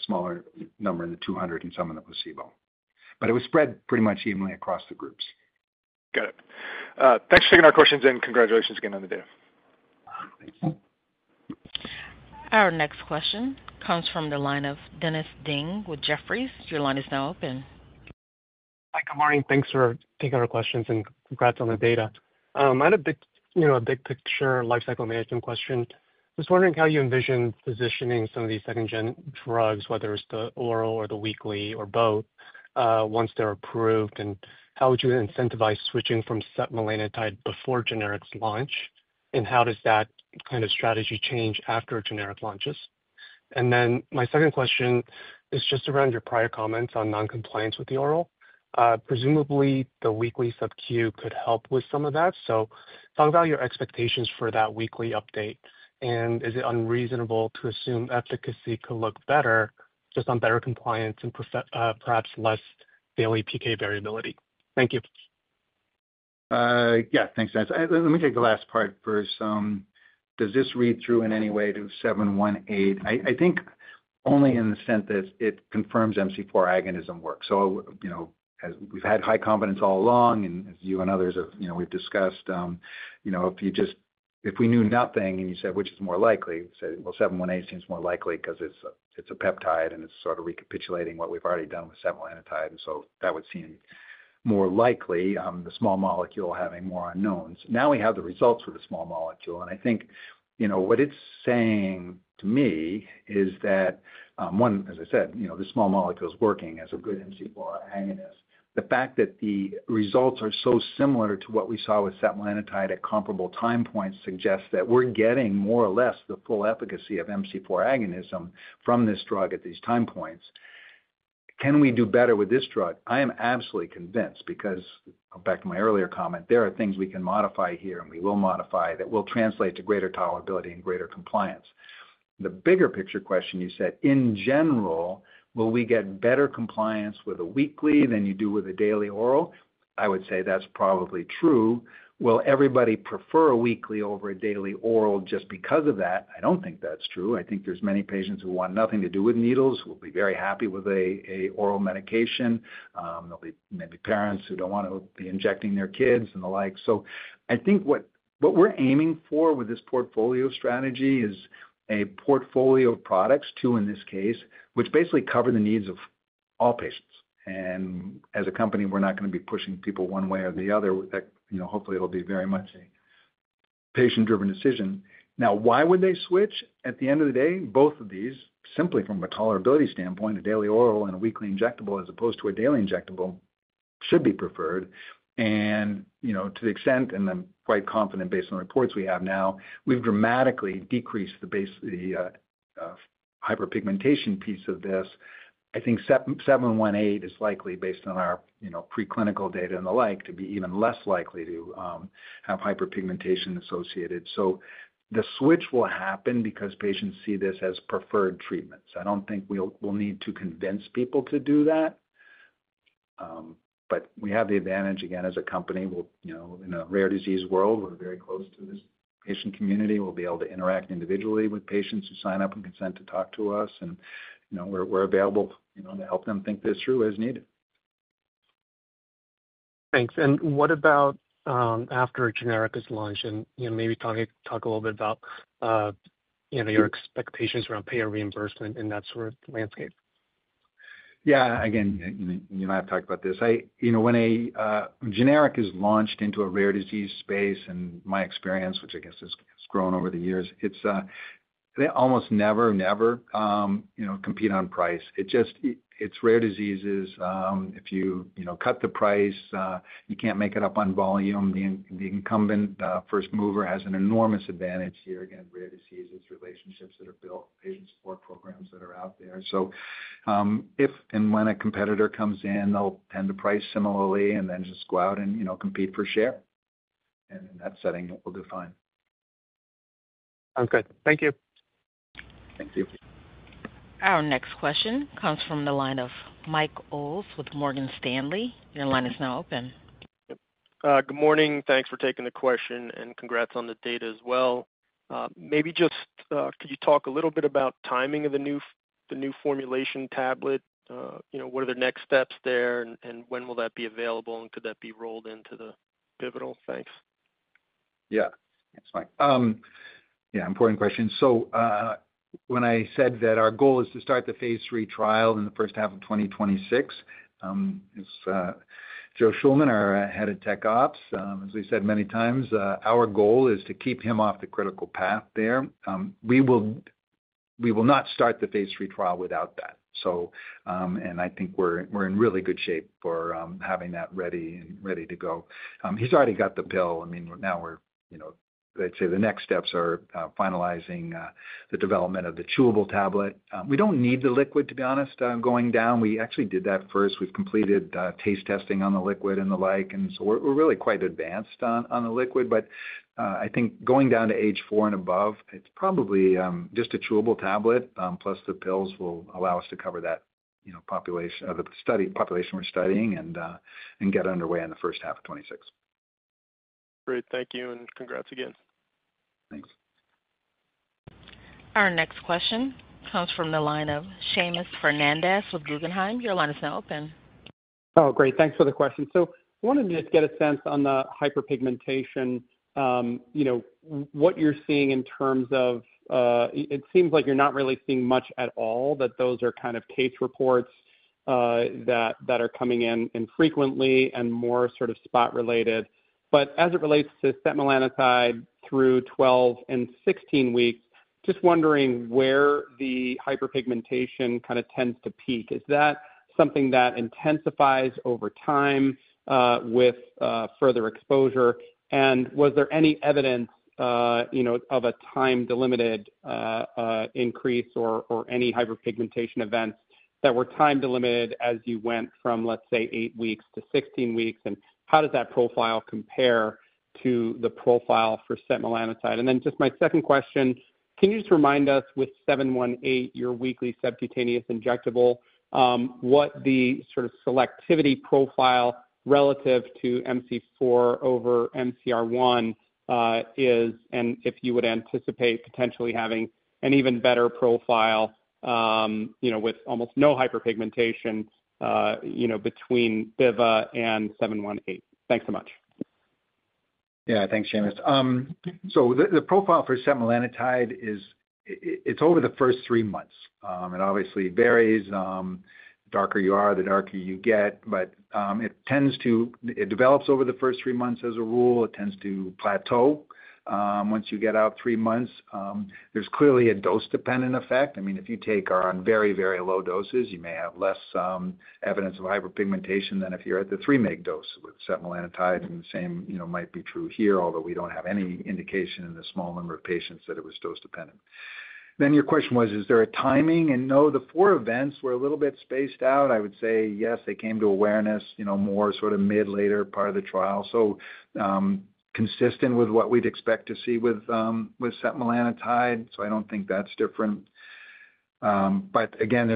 smaller number in the 200 and some in the placebo. But it was spread pretty much evenly across the groups. Got it. Thanks for taking our questions, and congratulations again on the data. Our next question comes from the line of Dennis Ding with Jefferies. Your line is now open. Hi. Good morning. Thanks for taking our questions, and congrats on the data. I had a big picture lifecycle management question. I was wondering how you envision positioning some of these second-gen drugs, whether it's the oral or the weekly or both, once they're approved, and how would you incentivize switching from setmelanotide before generics launch, and how does that kind of strategy change after generic launches? And then my second question is just around your prior comments on non-compliance with the oral. Presumably, the weekly sub-Q could help with some of that. So talk about your expectations for that weekly update. And is it unreasonable to assume efficacy could look better just on better compliance and perhaps less daily PK variability? Thank you. Yeah. Thanks, Dennis. Let me take the last part first. Does this read through in any way to 718? I think only in the sense that it confirms MC4 agonism works. So we've had high confidence all along, and as you and others have we've discussed, if we knew nothing and you said, which is more likely? We said, well, 718 seems more likely because it's a peptide, and it's sort of recapitulating what we've already done with setmelanotide. And so that would seem more likely, the small molecule having more unknowns. Now we have the results for the small molecule. And I think what it's saying to me is that, one, as I said, the small molecule is working as a good MC4 agonist. The fact that the results are so similar to what we saw with setmelanotide at comparable time points suggests that we're getting more or less the full efficacy of MC4 agonism from this drug at these time points. Can we do better with this drug? I am absolutely convinced because back to my earlier comment, there are things we can modify here, and we will modify that will translate to greater tolerability and greater compliance. The bigger picture question you said, in general, will we get better compliance with a weekly than you do with a daily oral? I would say that's probably true. Will everybody prefer a weekly over a daily oral just because of that? I don't think that's true. I think there's many patients who want nothing to do with needles, who will be very happy with an oral medication. There'll be maybe parents who don't want to be injecting their kids and the like. So I think what we're aiming for with this portfolio strategy is a portfolio of products, two in this case, which basically cover the needs of all patients. As a company, we're not going to be pushing people one way or the other. Hopefully, it'll be very much a patient-driven decision. Now, why would they switch? At the end of the day, both of these, simply from a tolerability standpoint, a daily oral and a weekly injectable as opposed to a daily injectable should be preferred. And to the extent, and I'm quite confident based on the reports we have now, we've dramatically decreased the hyperpigmentation piece of this. I think 718 is likely, based on our preclinical data and the like, to be even less likely to have hyperpigmentation associated. So the switch will happen because patients see this as preferred treatments. I don't think we'll need to convince people to do that. But we have the advantage, again, as a company, in a rare disease world, we're very close to this patient community. We'll be able to interact individually with patients who sign up and consent to talk to us. And we're available to help them think this through as needed. Thanks. And what about after generic is launched? And maybe talk a little bit about your expectations around payer reimbursement in that sort of landscape. Yeah. Again, you and I have talked about this. When a generic is launched into a rare disease space, and my experience, which I guess has grown over the years, they almost never, never compete on price. It's rare diseases. If you cut the price, you can't make it up on volume. The incumbent, the first mover, has an enormous advantage here against rare diseases, relationships that are built, patient support programs that are out there. So if and when a competitor comes in, they'll tend to price similarly and then just go out and compete for share. And in that setting, it will do fine. Sounds good. Thank you. Thank you. Our next question comes from the line of Mike Ulz with Morgan Stanley. Your line is now open. Good morning. Thanks for taking the question, and congrats on the data as well. Maybe just could you talk a little bit about timing of the new formulation tablet? What are the next steps there, and when will that be available, and could that be rolled into the pivotal? Thanks. Yeah. That's fine. Yeah. Important question. So when I said that our goal is to start the phase III trial in the first half of 2026, it's Joe Shulman, our head of Tech Ops. As we said many times, our goal is to keep him off the critical path there. We will not start the phase III trial without that. And I think we're in really good shape for having that ready and ready to go. He's already got the pill. I mean, now we're, I'd say the next steps are finalizing the development of the chewable tablet. We don't need the liquid, to be honest, going down. We actually did that first. We've completed taste testing on the liquid and the like. And so we're really quite advanced on the liquid. But I think going down to age four and above, it's probably just a chewable tablet, plus the pills will allow us to cover that population of the study population we're studying and get underway in the first half of 2026. Great. Thank you. And congrats again. Thanks. Our next question comes from the line of Seamus Fernandez with Guggenheim. Your line is now open. Oh, great. Thanks for the question. So I wanted to just get a sense on the hyperpigmentation, what you're seeing in terms of it seems like you're not really seeing much at all, that those are kind of case reports that are coming in infrequently and more sort of spot-related. But as it relates to setmelanotide through 12 and 16 weeks, just wondering where the hyperpigmentation kind of tends to peak. Is that something that intensifies over time with further exposure? And was there any evidence of a time-delimited increase or any hyperpigmentation events that were time-delimited as you went from, let's say, eight weeks to 16 weeks? And how does that profile compare to the profile for setmelanotide? And then just my second question, can you just remind us with 718, your weekly subcutaneous injectable, what the sort of selectivity profile relative to MC4 over MC1R is, and if you would anticipate potentially having an even better profile with almost no hyperpigmentation between bivamelagon and 718? Thanks so much. Yeah. Thanks, Seamus. So the profile for setmelanotide, it's over the first three months. It obviously varies. The darker you are, the darker you get. But it develops over the first three months as a rule. It tends to plateau once you get out three months. There's clearly a dose-dependent effect. I mean, if you're on very, very low doses, you may have less evidence of hyperpigmentation than if you're at the 3-mg dose with setmelanotide. The same might be true here, although we don't have any indication in the small number of patients that it was dose-dependent. Your question was, is there a timing? No, the four events were a little bit spaced out. I would say, yes, they came to awareness more sort of mid-later part of the trial, so consistent with what we'd expect to see with setmelanotide. I don't think that's different. Again,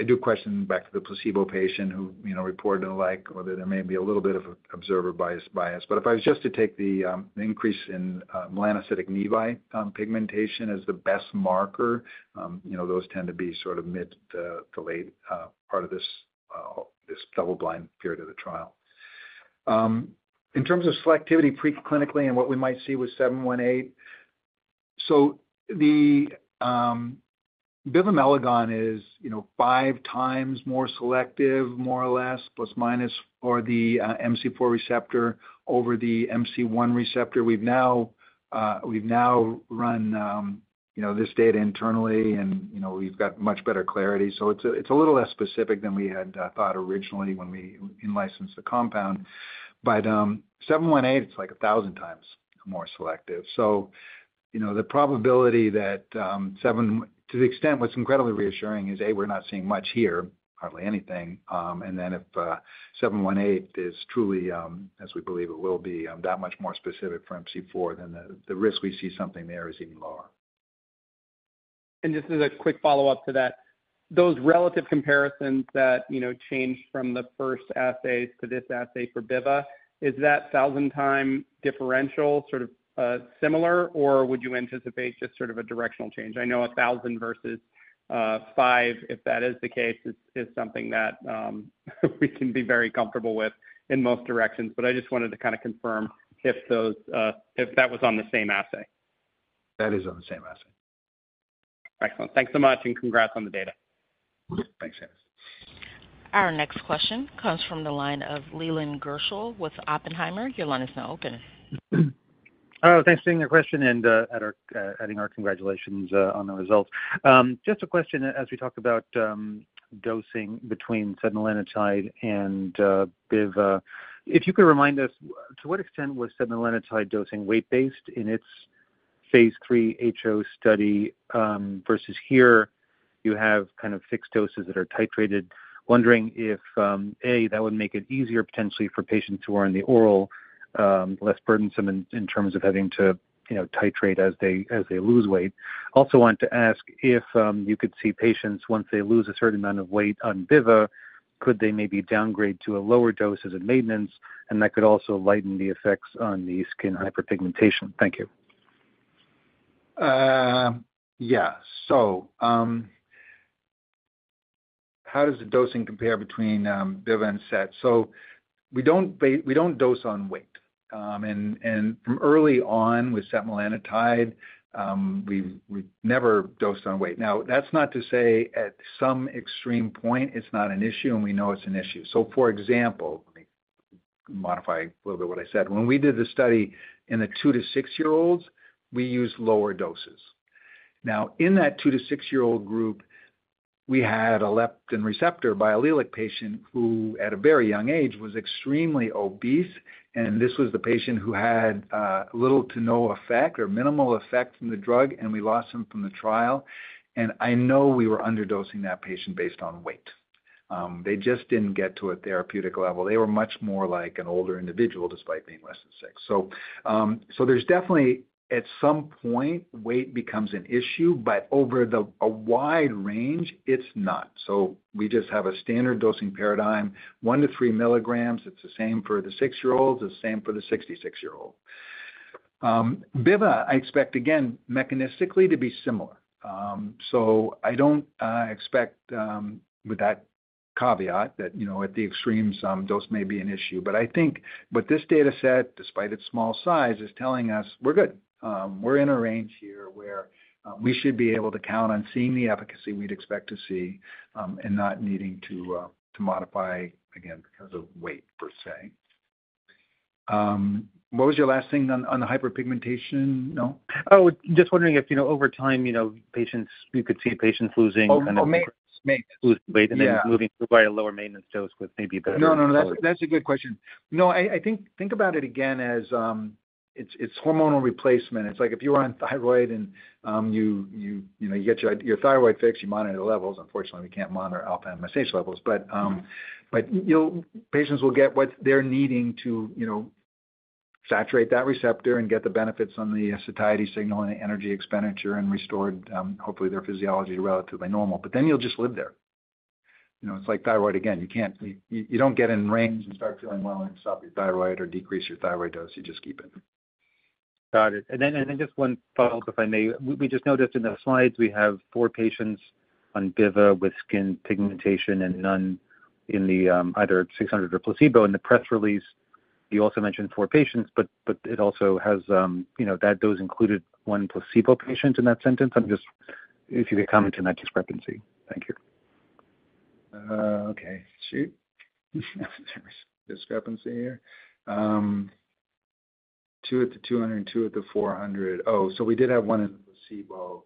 I do question back to the placebo patient who reported and the like, whether there may be a little bit of observer bias. If I was just to take the increase in melanocytic nevi pigmentation as the best marker, those tend to be sort of mid to late part of this double-blind period of the trial. In terms of selectivity preclinically and what we might see with 718, so the bivamelagon is five times more selective, more or less, plus-minus for the MC4 receptor over the MC1 receptor. We've now run this data internally, and we've got much better clarity. So it's a little less specific than we had thought originally when we licensed the compound. But 718, it's like 1,000 times more selective. So the probability that we see something there to the extent what's incredibly reassuring is, A, we're not seeing much here, hardly anything. And then if 718 is truly, as we believe it will be, that much more specific for MC4, then the risk we see something there is even lower. Just as a quick follow-up to that, those relative comparisons that changed from the first assay to this assay for bivamelagon, is that 1,000-time differential sort of similar, or would you anticipate just sort of a directional change? I know 1,000 versus 5, if that is the case, is something that we can be very comfortable with in most directions. But I just wanted to kind of confirm if that was on the same assay. That is on the same assay. Excellent. Thanks so much, and congrats on the data. Thanks. Our next question comes from the line of Leland Gershell with Oppenheimer. Your line is now open. Thanks for taking our question and adding our congratulations on the results. Just a question as we talk about dosing between setmelanotide and bivamelagon. If you could remind us, to what extent was setmelanotide dosing weight-based in its phase III HO study versus here you have kind of fixed doses that are titrated? Wondering if, A, that would make it easier potentially for patients who are on the oral, less burdensome in terms of having to titrate as they lose weight. Also wanted to ask if you could see patients once they lose a certain amount of weight on bivamelagon, could they maybe downgrade to a lower dose as a maintenance? And that could also lighten the effects on the skin hyperpigmentation. Thank you. Yeah. So how does the dosing compare between bivamelagon and SET? So we don't dose on weight. And from early on with setmelanotide, we've never dosed on weight. Now, that's not to say at some extreme point it's not an issue, and we know it's an issue. So for example, let me modify a little bit what I said. When we did the study in the two to six-year-olds, we used lower doses. Now, in that two to six-year-old group, we had a leptin receptor biallelic patient who at a very young age was extremely obese. And this was the patient who had little to no effect or minimal effect from the drug, and we lost him from the trial. And I know we were underdosing that patient based on weight. They just didn't get to a therapeutic level. They were much more like an older individual despite being less than six. So there's definitely, at some point, weight becomes an issue, but over a wide range, it's not. So we just have a standard dosing paradigm, one to three milligrams. It's the same for the six-year-olds, the same for the 66-year-old. Bivamelagon, I expect, again, mechanistically to be similar. So I don't expect with that caveat that at the extremes, dose may be an issue. But I think what this data set, despite its small size, is telling us, we're good. We're in a range here where we should be able to count on seeing the efficacy we'd expect to see and not needing to modify, again, because of weight per se. What was your last thing on the hyperpigmentation? No. Oh, just wondering if over time, you could see patients losing kind of weight and then moving to a lower maintenance dose with maybe better maintenance. No, no, no. That's a good question. No, I think about it again as it's hormonal replacement. It's like if you were on thyroid and you get your thyroid fixed, you monitor the levels. Unfortunately, we can't monitor alpha-MSH levels. But patients will get what they're needing to saturate that receptor and get the benefits on the satiety signal and the energy expenditure and restore, hopefully, their physiology relatively normal. But then you'll just live there. It's like thyroid again. You don't get in range and start feeling well and stop your thyroid or decrease your thyroid dose. You just keep it. Got it. And then just one follow-up, if I may. We just noticed in the slides, we have four patients on bivamelagon with skin pigmentation and none in either 600 or placebo. In the press release, you also mentioned four patients, but it also has that those included one placebo patient in that sentence. If you could comment on that discrepancy. Thank you. Okay. Shoot. Discrepancy here. Two at the 200, two at the 400. Oh, so we did have one in placebo.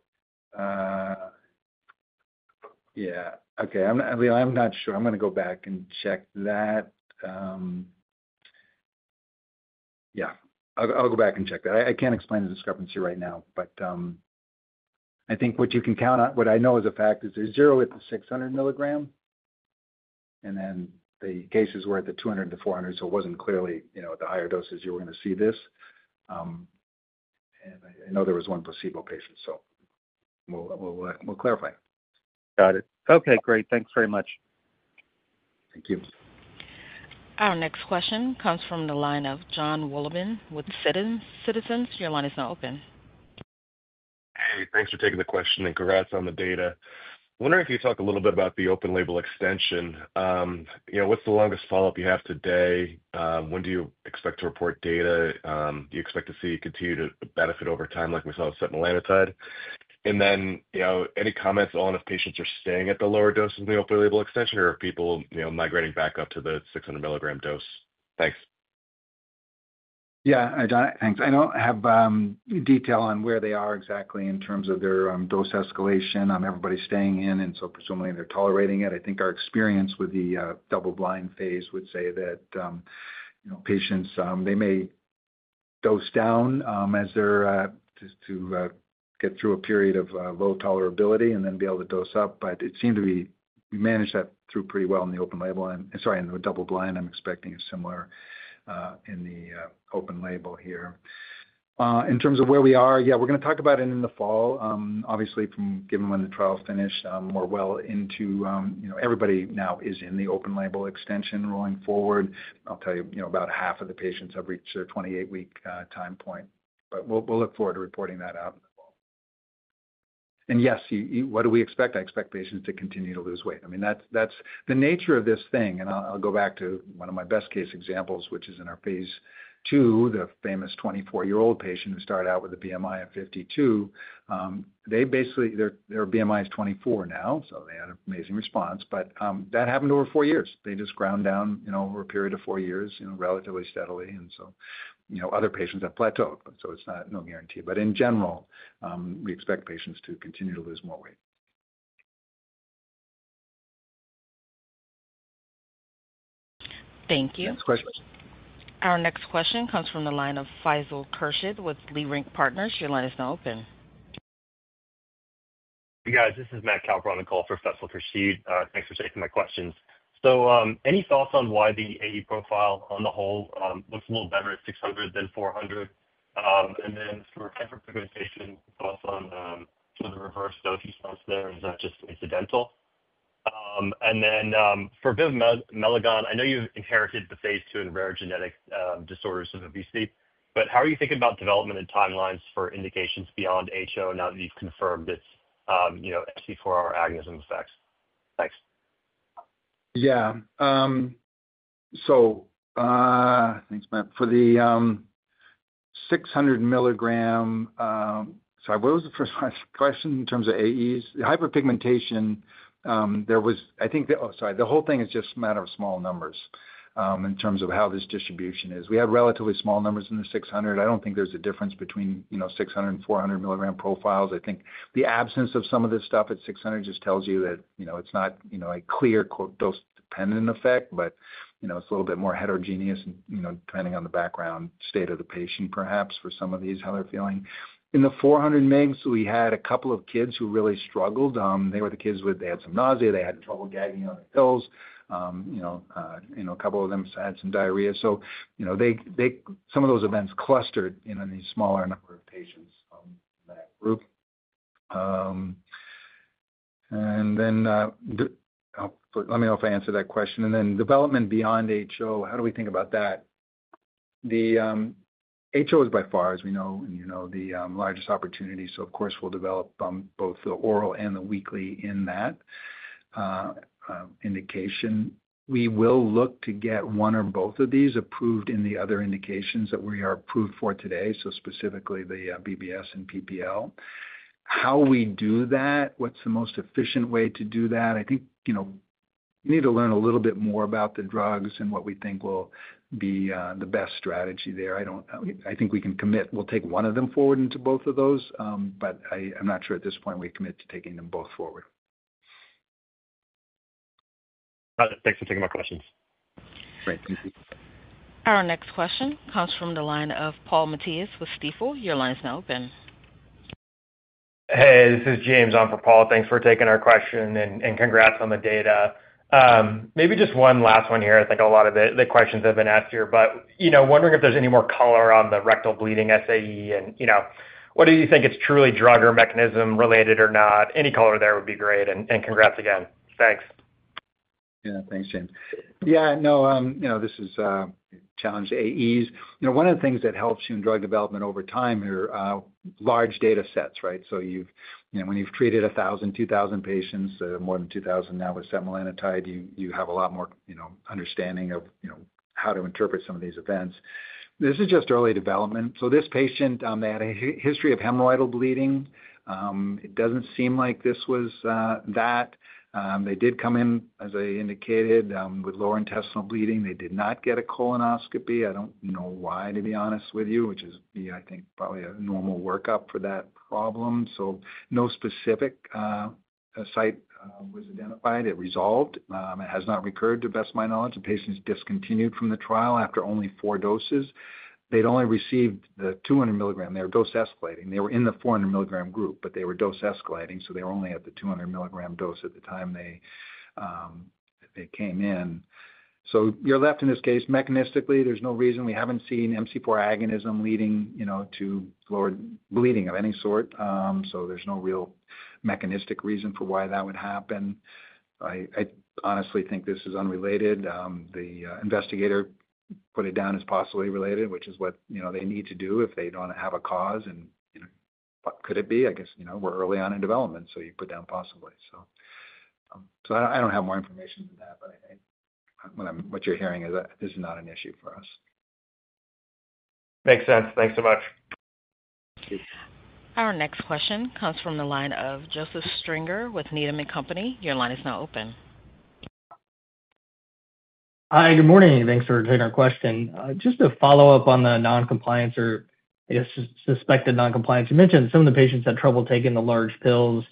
Yeah. Okay. Leland, I'm not sure. I'm going to go back and check that. Yeah. I'll go back and check that. I can't explain the discrepancy right now, but I think what you can count on, what I know as a fact is there's zero at the 600 milligram, and then the cases were at the 200 to 400. So it wasn't clearly at the higher doses you were going to see this. And I know there was one placebo patient, so we'll clarify. Got it. Okay. Great. Thanks very much. Thank you. Our next question comes from the line of Jon Wolleben with Citizens. Your line is now open. Hey, thanks for taking the question. And congrats on the data. I wonder if you talk a little bit about the open-label extension. What's the longest follow-up you have today? When do you expect to report data? Do you expect to see continued benefit over time like we saw with setmelanotide? And then any comments on if patients are staying at the lower doses in the open-label extension or if people migrating back up to the 600-milligram dose? Thanks. Yeah. Thanks. I don't have detail on where they are exactly in terms of their dose escalation, everybody staying in, and so presumably they're tolerating it. I think our experience with the double-blind phase would say that patients, they may dose down as they're just to get through a period of low tolerability and then be able to dose up. But it seemed to be we managed that through pretty well in the open-label. And sorry, in the double-blind, I'm expecting a similar in the open-label here. In terms of where we are, yeah, we're going to talk about it in the fall. Obviously, given when the trial finished, we're well into everybody now is in the open-label extension rolling forward. I'll tell you, about half of the patients have reached their 28-week time point. But we'll look forward to reporting that out in the fall. And yes, what do we expect? I expect patients to continue to lose weight. I mean, that's the nature of this thing. And I'll go back to one of my best-case examples, which is in our phase II, the famous 24-year-old patient who started out with a BMI of 52. Their BMI is 24 now, so they had an amazing response. But that happened over four years. They just ground down over a period of four years relatively steadily. And so other patients have plateaued. So it's no guarantee. But in general, we expect patients to continue to lose more weight. Thank you. Next question. Our next question comes from the line of Faisal Khurshid with Leerink Partners. Your line is now open. Hey, guys. This is Matt Cowper in the call for Faisal Khurshid. Thanks for taking my questions. So any thoughts on why the AE profile on the whole looks a little better at 600 than 400? And then for hyperpigmentation, thoughts on the reverse dose response there? Is that just incidental? And then for bivamelagon, I know you've inherited the phase II and rare genetic disorders of obesity. But how are you thinking about development and timelines for indications beyond HO now that you've confirmed its MC4R agonism effects? Thanks. Yeah. So thanks, Matt. For the 600-milligram, sorry, what was the first question in terms of AEs? The hyperpigmentation, there was, I think, oh, sorry, the whole thing is just a matter of small numbers in terms of how this distribution is. We have relatively small numbers in the 600. I don't think there's a difference between 600- and 400-milligram profiles. I think the absence of some of this stuff at 600 just tells you that it's not a clear dose-dependent effect, but it's a little bit more heterogeneous depending on the background state of the patient, perhaps, for some of these, how they're feeling. In the 400 mg, we had a couple of kids who really struggled. They were the kids who had some nausea. They had trouble gagging on their pills. A couple of them had some diarrhea. So some of those events clustered in a smaller number of patients in that group. And then let me know if I answered that question. And then development beyond HO, how do we think about that? The HO is by far, as we know, the largest opportunity. So of course, we'll develop both the oral and the weekly in that indication. We will look to get one or both of these approved in the other indications that we are approved for today, so specifically the BBS and PWS. How we do that, what's the most efficient way to do that? I think we need to learn a little bit more about the drugs and what we think will be the best strategy there. I think we can commit. We'll take one of them forward into both of those, but I'm not sure at this point we commit to taking them both forward. Got it. Thanks for taking my questions. Great. Thank you. Our next question comes from the line of Paul Matteis with Stifel. Your line is now open. Hey, this is James. I'm for Paul. Thanks for taking our question. And congrats on the data. Maybe just one last one here. I think a lot of the questions have been asked here, but wondering if there's any more color on the rectal bleeding SAE. And whether you think it's truly drug or mechanism-related or not, any color there would be great. And congrats again. Thanks. Yeah. Thanks, James. Yeah. No, this is a challenge to AEs. One of the things that helps you in drug development over time are large data sets, right? So when you've treated 1,000, 2,000 patients, more than 2,000 now with setmelanotide, you have a lot more understanding of how to interpret some of these events. This is just early development. So this patient, they had a history of hemorrhoidal bleeding. It doesn't seem like this was that. They did come in, as I indicated, with lower intestinal bleeding. They did not get a colonoscopy. I don't know why, to be honest with you, which is, I think, probably a normal workup for that problem. So no specific site was identified. It resolved. It has not recurred to the best of my knowledge. The patient is discontinued from the trial after only four doses. They'd only received the 200-milligram. They were dose escalating. They were in the 400-milligram group, but they were dose escalating. So they were only at the 200-milligram dose at the time they came in. So you're left in this case, mechanistically, there's no reason. We haven't seen MC4 agonism leading to lower bleeding of any sort. So there's no real mechanistic reason for why that would happen. I honestly think this is unrelated. The investigator put it down as possibly related, which is what they need to do if they don't have a cause, and could it be? I guess we're early on in development, so you put down possibly. So I don't have more information than that, but what you're hearing is this is not an issue for us. Makes sense. Thanks so much. Our next question comes from the line of Joseph Stringer with Needham & Company. Your line is now open. Hi. Good morning. Thanks for taking our question. Just to follow up on the non-compliance or suspected non-compliance, you mentioned some of the patients had trouble taking the large pills,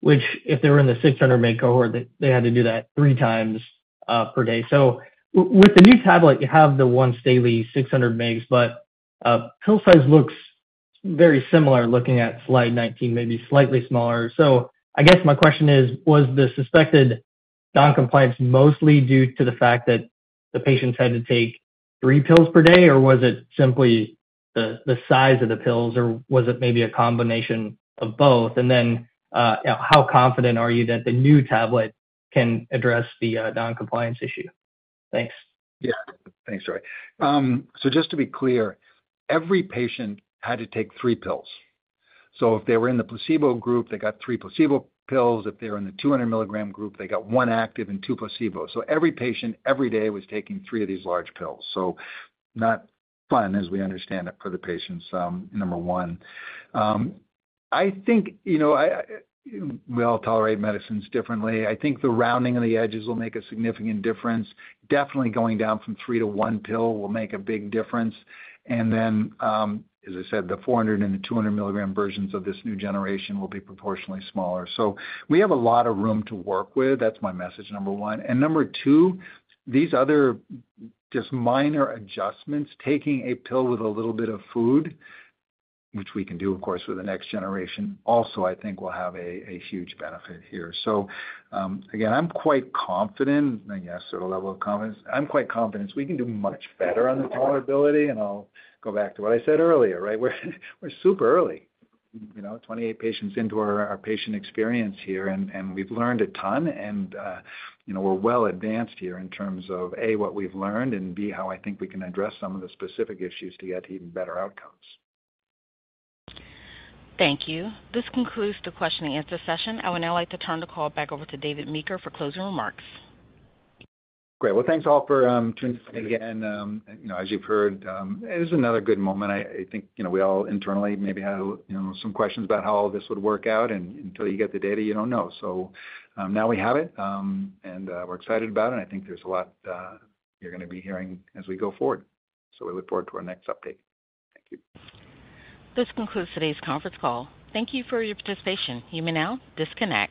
which if they were in the 600-mg cohort, they had to do that three times per day. So with the new tablet, you have the once-daily 600 mg, but pill size looks very similar looking at slide 19, maybe slightly smaller. So I guess my question is, was the suspected non-compliance mostly due to the fact that the patients had to take three pills per day, or was it simply the size of the pills, or was it maybe a combination of both? And then how confident are you that the new tablet can address the non-compliance issue? Thanks. Yeah. Thanks, Joseph. So just to be clear, every patient had to take three pills. So if they were in the placebo group, they got three placebo pills. If they were in the 200-milligram group, they got one active and two placebo. So every patient every day was taking three of these large pills. So not fun, as we understand it, for the patients, number one. I think we all tolerate medicines differently. I think the rounding of the edges will make a significant difference. Definitely going down from three to one pill will make a big difference. And then, as I said, the 400- and 200-milligram versions of this new generation will be proportionally smaller. So we have a lot of room to work with. That's my message, number one. And number two, these other just minor adjustments, taking a pill with a little bit of food, which we can do, of course, with the next generation, also, I think, will have a huge benefit here. So again, I'm quite confident, and yes, sort of level of confidence. I'm quite confident we can do much better on the tolerability. And I'll go back to what I said earlier, right? We're super early. 28 patients into our patient experience here, and we've learned a ton. We're well advanced here in terms of, A, what we've learned, and B, how I think we can address some of the specific issues to get even better outcomes. Thank you. This concludes the question-and-answer session. I would now like to turn the call back over to David Meeker for closing remarks. Great. Thanks all for tuning in again. As you've heard, it is another good moment. I think we all internally maybe had some questions about how all this would work out. Until you get the data, you don't know. Now we have it, and we're excited about it. I think there's a lot you're going to be hearing as we go forward. We look forward to our next update. Thank you. This concludes today's conference call. Thank you for your participation. You may now disconnect.